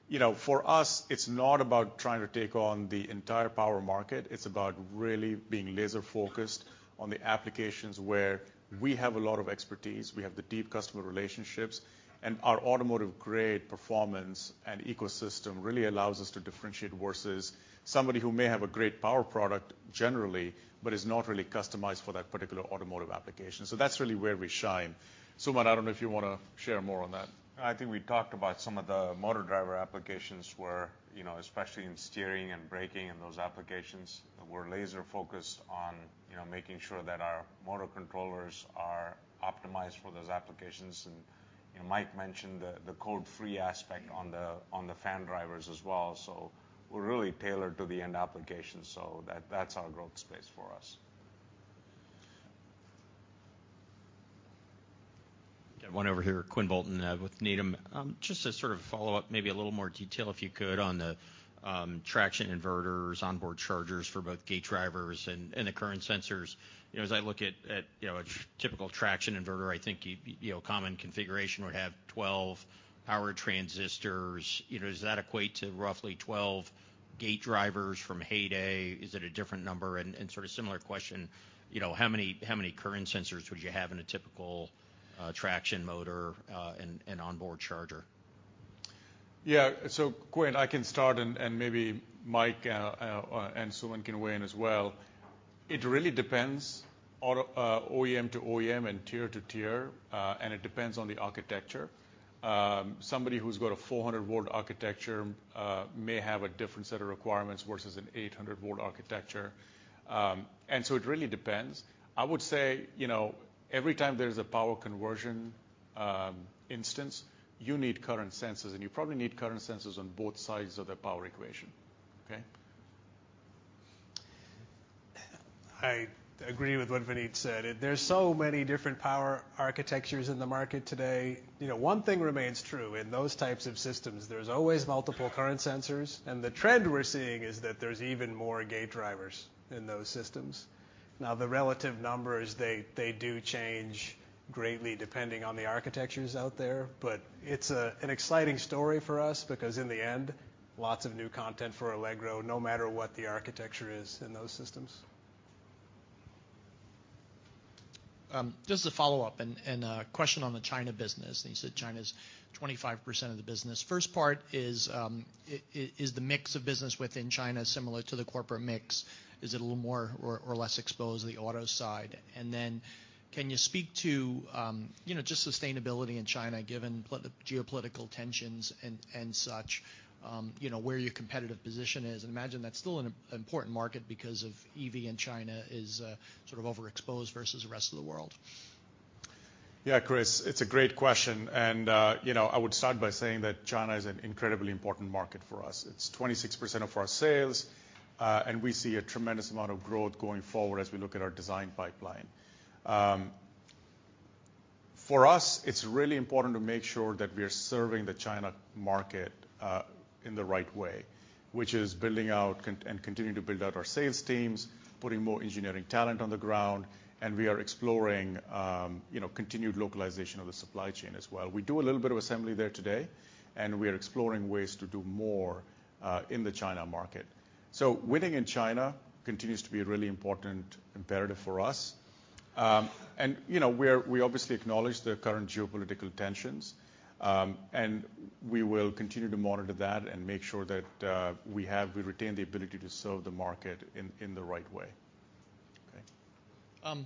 You know, for us, it's not about trying to take on the entire power market. It's about really being laser-focused on the applications where we have a lot of expertise, we have the deep customer relationships, and our automotive-grade performance and ecosystem really allows us to differentiate versus somebody who may have a great power product generally, but is not really customized for that particular automotive application. That's really where we shine. Suman, I don't know if you wanna share more on that. I think we talked about some of the motor driver applications where, you know, especially in steering and braking and those applications, we're laser-focused on, you know, making sure that our motor controllers are optimized for those applications. Mike mentioned the code-free aspect on the fan drivers as well. We're really tailored to the end application, so that's our growth space for us. Got one over here. Quinn Bolton with Needham. Just to sort of follow up, maybe a little more detail, if you could, on the traction inverters, onboard chargers for both gate drivers and the current sensors. You know, as I look at, you know, a typical traction inverter, I think you know, common configuration would have 12 power transistors. You know, does that equate to roughly 12 gate drivers from Heyday? Is it a different number? Sort of similar question, you know, how many current sensors would you have in a typical traction motor and onboard charger? Yeah. Quinn, I can start and maybe Mike and Suman can weigh in as well. It really depends auto, OEM to OEM and tier to tier, and it depends on the architecture. Somebody who's got a 400 volt architecture may have a different set of requirements versus an 800 volt architecture. It really depends. I would say, you know, every time there's a power conversion instance, you need current sensors, and you probably need current sensors on both sides of the power equation. Okay? I agree with what Vineet said. There's so many different power architectures in the market today. You know, one thing remains true, in those types of systems, there's always multiple current sensors, and the trend we're seeing is that there's even more gate drivers in those systems. The relative numbers, they do change greatly depending on the architectures out there, but it's an exciting story for us because in the end, lots of new content for Allegro, no matter what the architecture is in those systems. Just to follow up and question on the China business. You said China's 25% of the business. First part is the mix of business within China similar to the corporate mix? Is it a little more or less exposed to the auto side? Can you speak to, you know, just sustainability in China, given the geopolitical tensions and such, you know, where your competitive position is? Imagine that's still an important market because of EV, and China is sort of overexposed versus the rest of the world. Yeah, Chris, it's a great question. You know, I would start by saying that China is an incredibly important market for us. It's 26% of our sales, and we see a tremendous amount of growth going forward as we look at our design pipeline. For us, it's really important to make sure that we are serving the China market in the right way, which is building out and continuing to build out our sales teams, putting more engineering talent on the ground, and we are exploring, you know, continued localization of the supply chain as well. We do a little bit of assembly there today, and we are exploring ways to do more in the China market. Winning in China continues to be a really important imperative for us. You know, we obviously acknowledge the current geopolitical tensions, and we will continue to monitor that and make sure that, we retain the ability to serve the market in the right way. Okay.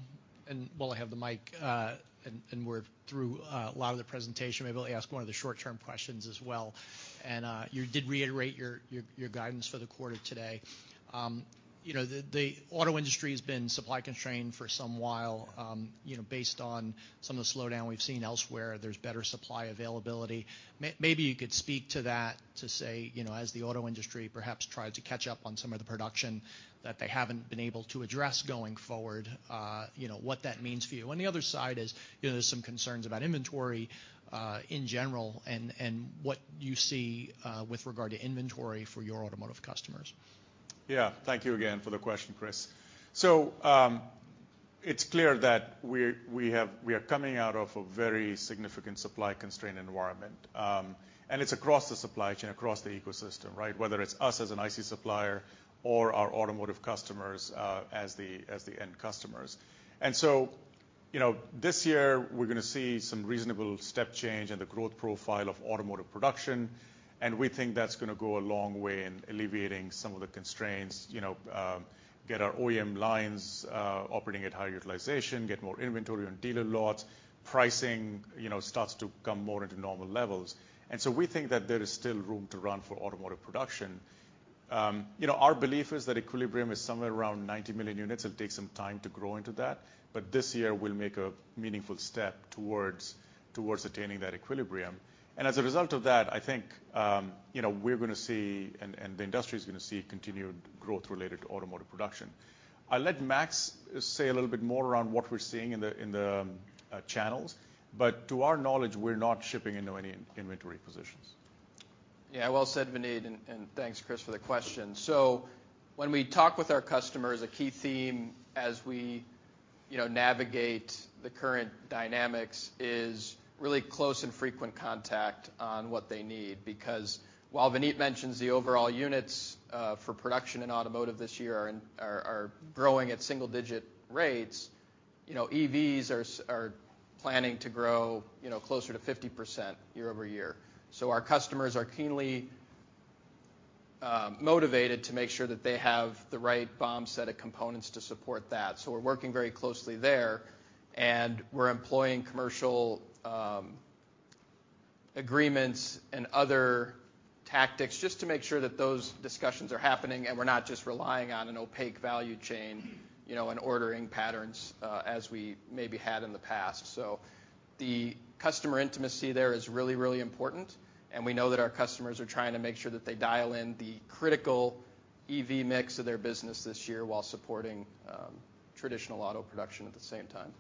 While I have the mic, and we're through a lot of the presentation, maybe I'll ask one of the short-term questions as well. You did reiterate your guidance for the quarter today. You know, the auto industry has been supply constrained for some while. You know, based on some of the slowdown we've seen elsewhere, there's better supply availability. Maybe you could speak to that to say, you know, as the auto industry perhaps tries to catch up on some of the production that they haven't been able to address going forward, you know, what that means for you. On the other side is, you know, there's some concerns about inventory, in general and what you see, with regard to inventory for your automotive customers. Yeah. Thank you again for the question, Chris. it's clear that we are coming out of a very significant supply constraint environment, and it's across the supply chain, across the ecosystem, right? Whether it's us as an IC supplier or our automotive customers, as the end customers. you know, this year we're gonna see some reasonable step change in the growth profile of automotive production, and we think that's gonna go a long way in alleviating some of the constraints. You know, get our OEM lines operating at higher utilization, get more inventory on dealer lots. Pricing, you know, starts to come more into normal levels. we think that there is still room to run for automotive production. you know, our belief is that equilibrium is somewhere around 90 million units. It'll take some time to grow into that. This year we'll make a meaningful step towards attaining that equilibrium. As a result of that, I think, you know, we're gonna see and the industry's gonna see continued growth related to automotive production. I'll let Max say a little bit more around what we're seeing in the channels, but to our knowledge, we're not shipping into any inventory positions. Yeah, well said, Vineet, and thanks Chris for the question. When we talk with our customers, a key theme as we, you know, navigate the current dynamics is really close and frequent contact on what they need. While Vineet mentions the overall units for production in automotive this year are growing at single digit rates, you know, EVs are planning to grow, you know, closer to 50% year-over-year. Our customers are keenly motivated to make sure that they have the right BOM set of components to support that. We're working very closely there, and we're employing commercial agreements and other tactics just to make sure that those discussions are happening, and we're not just relying on an opaque value chain, you know, and ordering patterns as we maybe had in the past. The customer intimacy there is really, really important, and we know that our customers are trying to make sure that they dial in the critical EV mix of their business this year while supporting traditional auto production at the same time.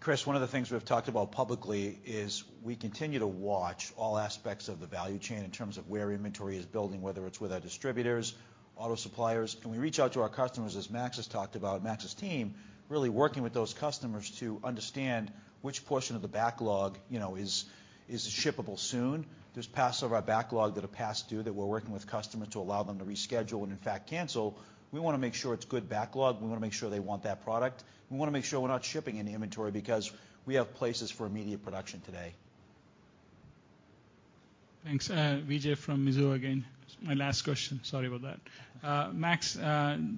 Chris, one of the things we've talked about publicly is we continue to watch all aspects of the value chain in terms of where inventory is building, whether it's with our distributors, auto suppliers. We reach out to our customers, as Max has talked about, Max's team, really working with those customers to understand which portion of the backlog, you know, is shippable soon. There's parts of our backlog that are past due that we're working with customers to allow them to reschedule and in fact cancel. We wanna make sure it's good backlog. We wanna make sure they want that product. We wanna make sure we're not shipping any inventory because we have places for immediate production today. Thanks. Vijay from Mizuho again. It's my last question. Sorry about that. Max,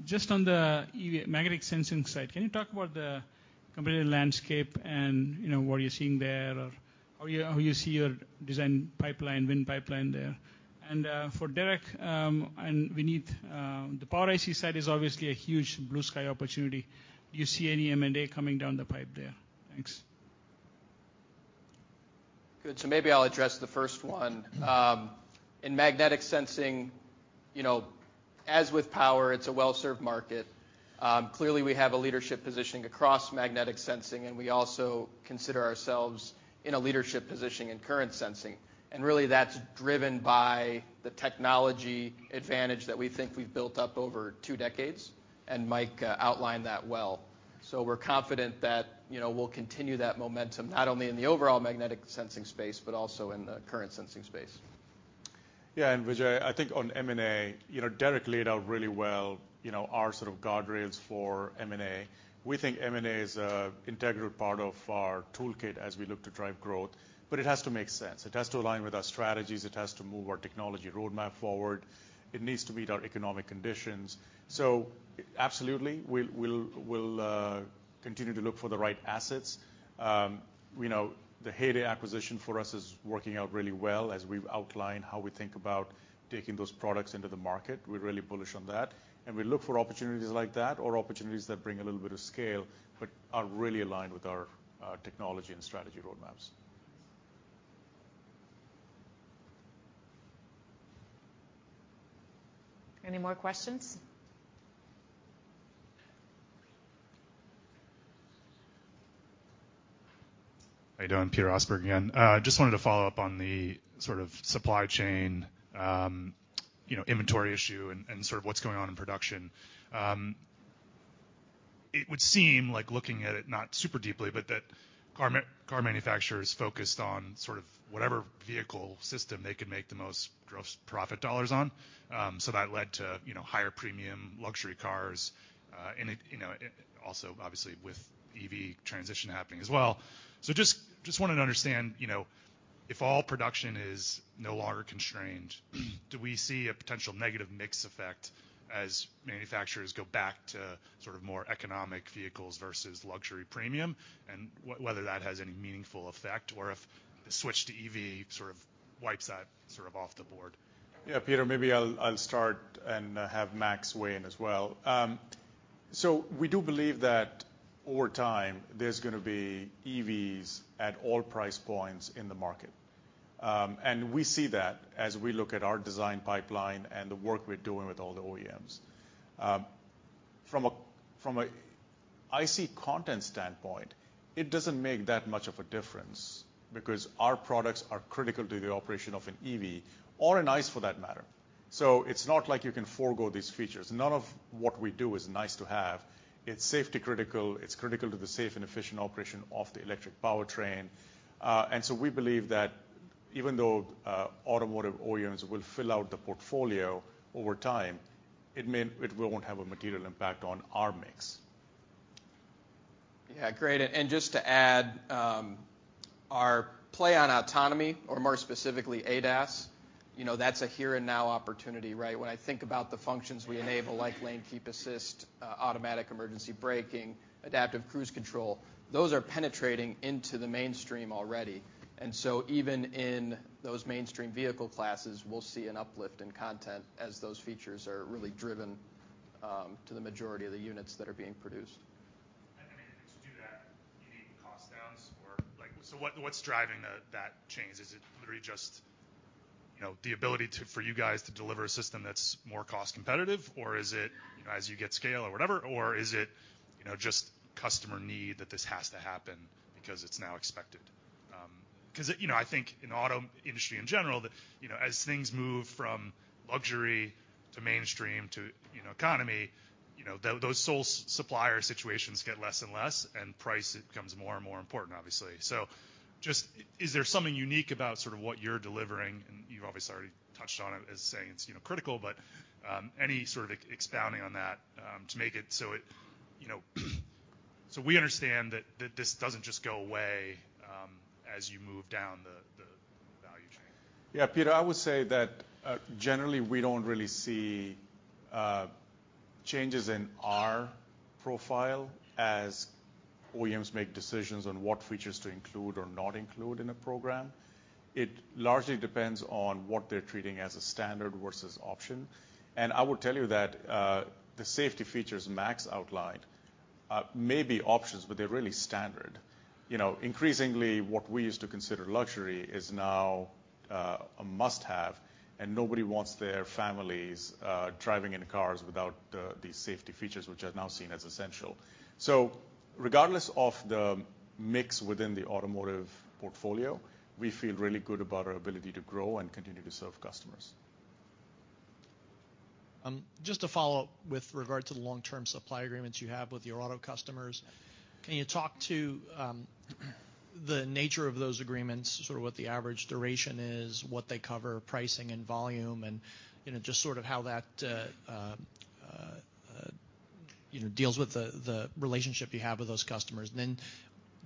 just on the EV magnetic sensing side, can you talk about the competitive landscape and, you know, what you're seeing there or how you, how you see your design pipeline, win pipeline there? For Derek, and Vineet, the Power IC side is obviously a huge blue sky opportunity. Do you see any M&A coming down the pipe there? Thanks. Good. Maybe I'll address the first one. In magnetic sensing, you know, as with power, it's a well-served market. Clearly, we have a leadership positioning across magnetic sensing, and we also consider ourselves in a leadership positioning in current sensing. Really that's driven by the technology advantage that we think we've built up over 2 decades, and Mike outlined that well. We're confident that, you know, we'll continue that momentum, not only in the overall magnetic sensing space but also in the current sensing space. Vijay, I think on M&A, you know, Derek laid out really well, you know, our sort of guardrails for M&A. We think M&A is a integral part of our toolkit as we look to drive growth, but it has to make sense. It has to align with our strategies, it has to move our technology roadmap forward. It needs to meet our economic conditions. Absolutely, we'll continue to look for the right assets. You know, the Heyday acquisition for us is working out really well as we've outlined how we think about taking those products into the market. We're really bullish on that. We look for opportunities like that or opportunities that bring a little bit of scale but are really aligned with our technology and strategy roadmaps. Any more questions? How you doing? Peter Oser again. Just wanted to follow up on the sort of supply chain, you know, inventory issue and sort of what's going on in production. It would seem like looking at it, not super deeply, but that car manufacturers focused on sort of whatever vehicle system they could make the most gross profit dollars on. That led to, you know, higher premium luxury cars, and it, you know, also obviously with EV transition happening as well. Just wanted to understand, you know, if all production is no longer constrained, do we see a potential negative mix effect as manufacturers go back to sort of more economic vehicles versus luxury premium, and whether that has any meaningful effect or if the switch to EV sort of wipes that sort of off the board? Yeah, Peter, maybe I'll start and have Max weigh in as well. We do believe that over time there's gonna be EVs at all price points in the market. We see that as we look at our design pipeline and the work we're doing with all the OEMs. From an IC content standpoint, it doesn't make that much of a difference because our products are critical to the operation of an EV or an ICE for that matter. It's not like you can forgo these features. None of what we do is nice to have. It's safety critical. It's critical to the safe and efficient operation of the electric powertrain. We believe that even though automotive OEMs will fill out the portfolio over time, it won't have a material impact on our mix. Yeah, great. Just to add, our play on autonomy or more specifically ADAS, you know, that's a here and now opportunity, right? When I think about the functions we enable, like lane keep assist, automatic emergency braking, adaptive cruise control, those are penetrating into the mainstream already. Even in those mainstream vehicle classes, we'll see an uplift in content as those features are really driven to the majority of the units that are being produced. I mean, to do that, you need cost downs or like... What's driving that change? Is it literally just, you know, the ability to, for you guys to deliver a system that's more cost competitive, or is it, you know, as you get scale or whatever, or is it, you know, just customer need that this has to happen because it's now expected? 'cause it, you know, I think in auto industry in general that, you know, as things move from luxury to mainstream to, you know, economy, you know, those sole supplier situations get less and less and price becomes more and more important obviously. Just, is there something unique about sort of what you're delivering, and you've obviously already touched on it as saying it's, you know, critical, but, any sort of expounding on that, to make it so it, you know, so we understand that this doesn't just go away, as you move down the value chain. Yeah, Peter, I would say that generally we don't really see changes in our profile as OEMs make decisions on what features to include or not include in a program. It largely depends on what they're treating as a standard versus option. I would tell you that the safety features Max outlined are maybe options, but they're really standard. You know, increasingly, what we used to consider luxury is now a must-have, and nobody wants their families driving in cars without the, these safety features, which are now seen as essential. Regardless of the mix within the automotive portfolio, we feel really good about our ability to grow and continue to serve customers. Just to follow up with regard to the long-term supply agreements you have with your auto customers, can you talk to, the nature of those agreements, sort of what the average duration is, what they cover, pricing and volume and, you know, just sort of how that, you know, deals with the relationship you have with those customers? And then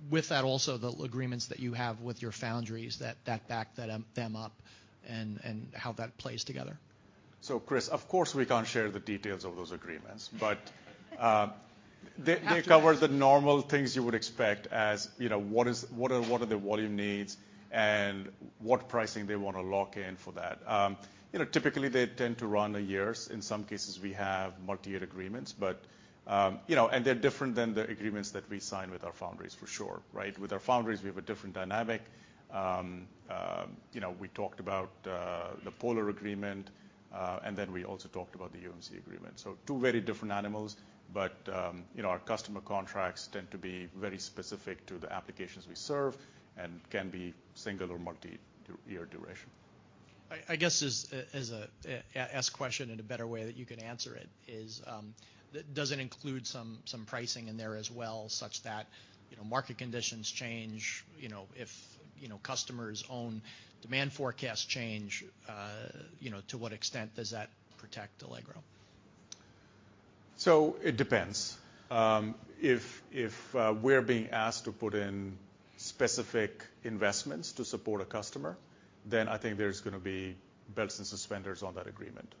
with that also, the agreements that you have with your foundries that back that up, them up and how that plays together. Chris, of course, we can't share the details of those agreements, but. After hours... they cover the normal things you would expect as, you know, what are the volume needs and what pricing they wanna lock in for that. You know, typically they tend to run a years. In some cases, we have multi-year agreements, but, you know, and they're different than the agreements that we sign with our foundries for sure, right? With our foundries, we have a different dynamic. You know, we talked about the Polar agreement, and then we also talked about the UMC agreement. Two very different animals, but, you know, our customer contracts tend to be very specific to the applications we serve and can be single or multi-year duration. I guess as a ask question in a better way that you could answer it is. Does it include some pricing in there as well, such that, you know, market conditions change, you know, if, you know, customers' own demand forecasts change, you know, to what extent does that protect Allegro? It depends. If we're being asked to put in specific investments to support a customer, then I think there's gonna be belts and suspenders on that agreement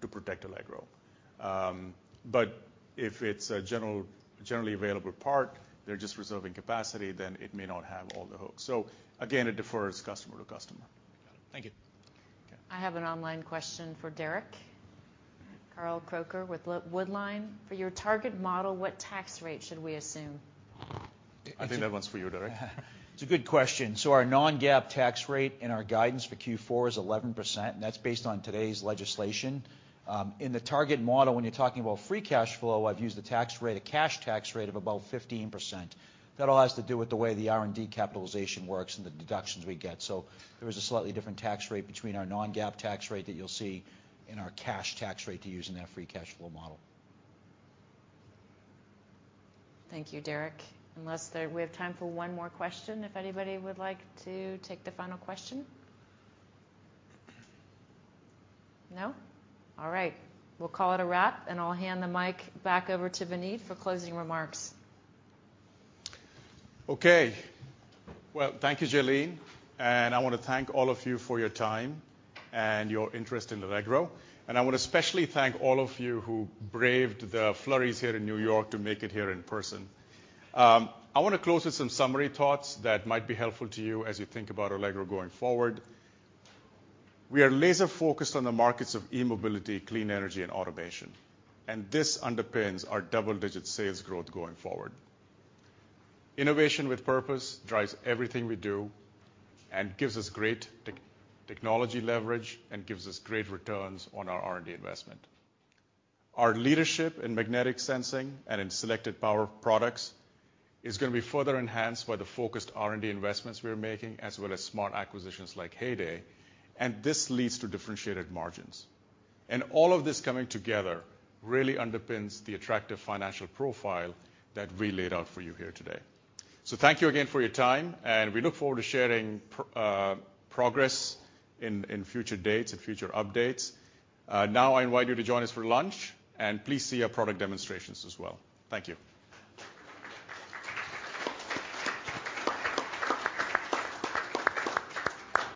to protect Allegro. If it's a generally available part, they're just reserving capacity, then it may not have all the hooks. Again, it defers customer to customer. Thank you. Okay. I have an online question for Derek. Carl Croker with Woodline. For your target model, what tax rate should we assume? I think that one's for you, Derek. It's a good question. Our non-GAAP tax rate and our guidance for Q4 is 11%, and that's based on today's legislation. In the target model, when you're talking about free cash flow, I've used a tax rate, a cash tax rate of about 15%. That all has to do with the way the R&D capitalization works and the deductions we get. There is a slightly different tax rate between our non-GAAP tax rate that you'll see and our cash tax rate to use in that free cash flow model. Thank you, Derek. We have time for one more question, if anybody would like to take the final question. No? All right. We'll call it a wrap, and I'll hand the mic back over to Vineet for closing remarks. Okay. Well, thank you, Jalene, and I wanna thank all of you for your time and your interest in Allegro. I wanna especially thank all of you who braved the flurries here in New York to make it here in person. I wanna close with some summary thoughts that might be helpful to you as you think about Allegro going forward. We are laser-focused on the markets of e-mobility, clean energy, and automation, and this underpins our double-digit sales growth going forward. Innovation with purpose drives everything we do and gives us great technology leverage and gives us great returns on our R&D investment. Our leadership in magnetic sensing and in selected power products is gonna be further enhanced by the focused R&D investments we are making, as well as smart acquisitions like Heyday, and this leads to differentiated margins. All of this coming together really underpins the attractive financial profile that we laid out for you here today. Thank you again for your time, and we look forward to sharing progress in future dates and future updates. Now I invite you to join us for lunch, and please see our product demonstrations as well. Thank you.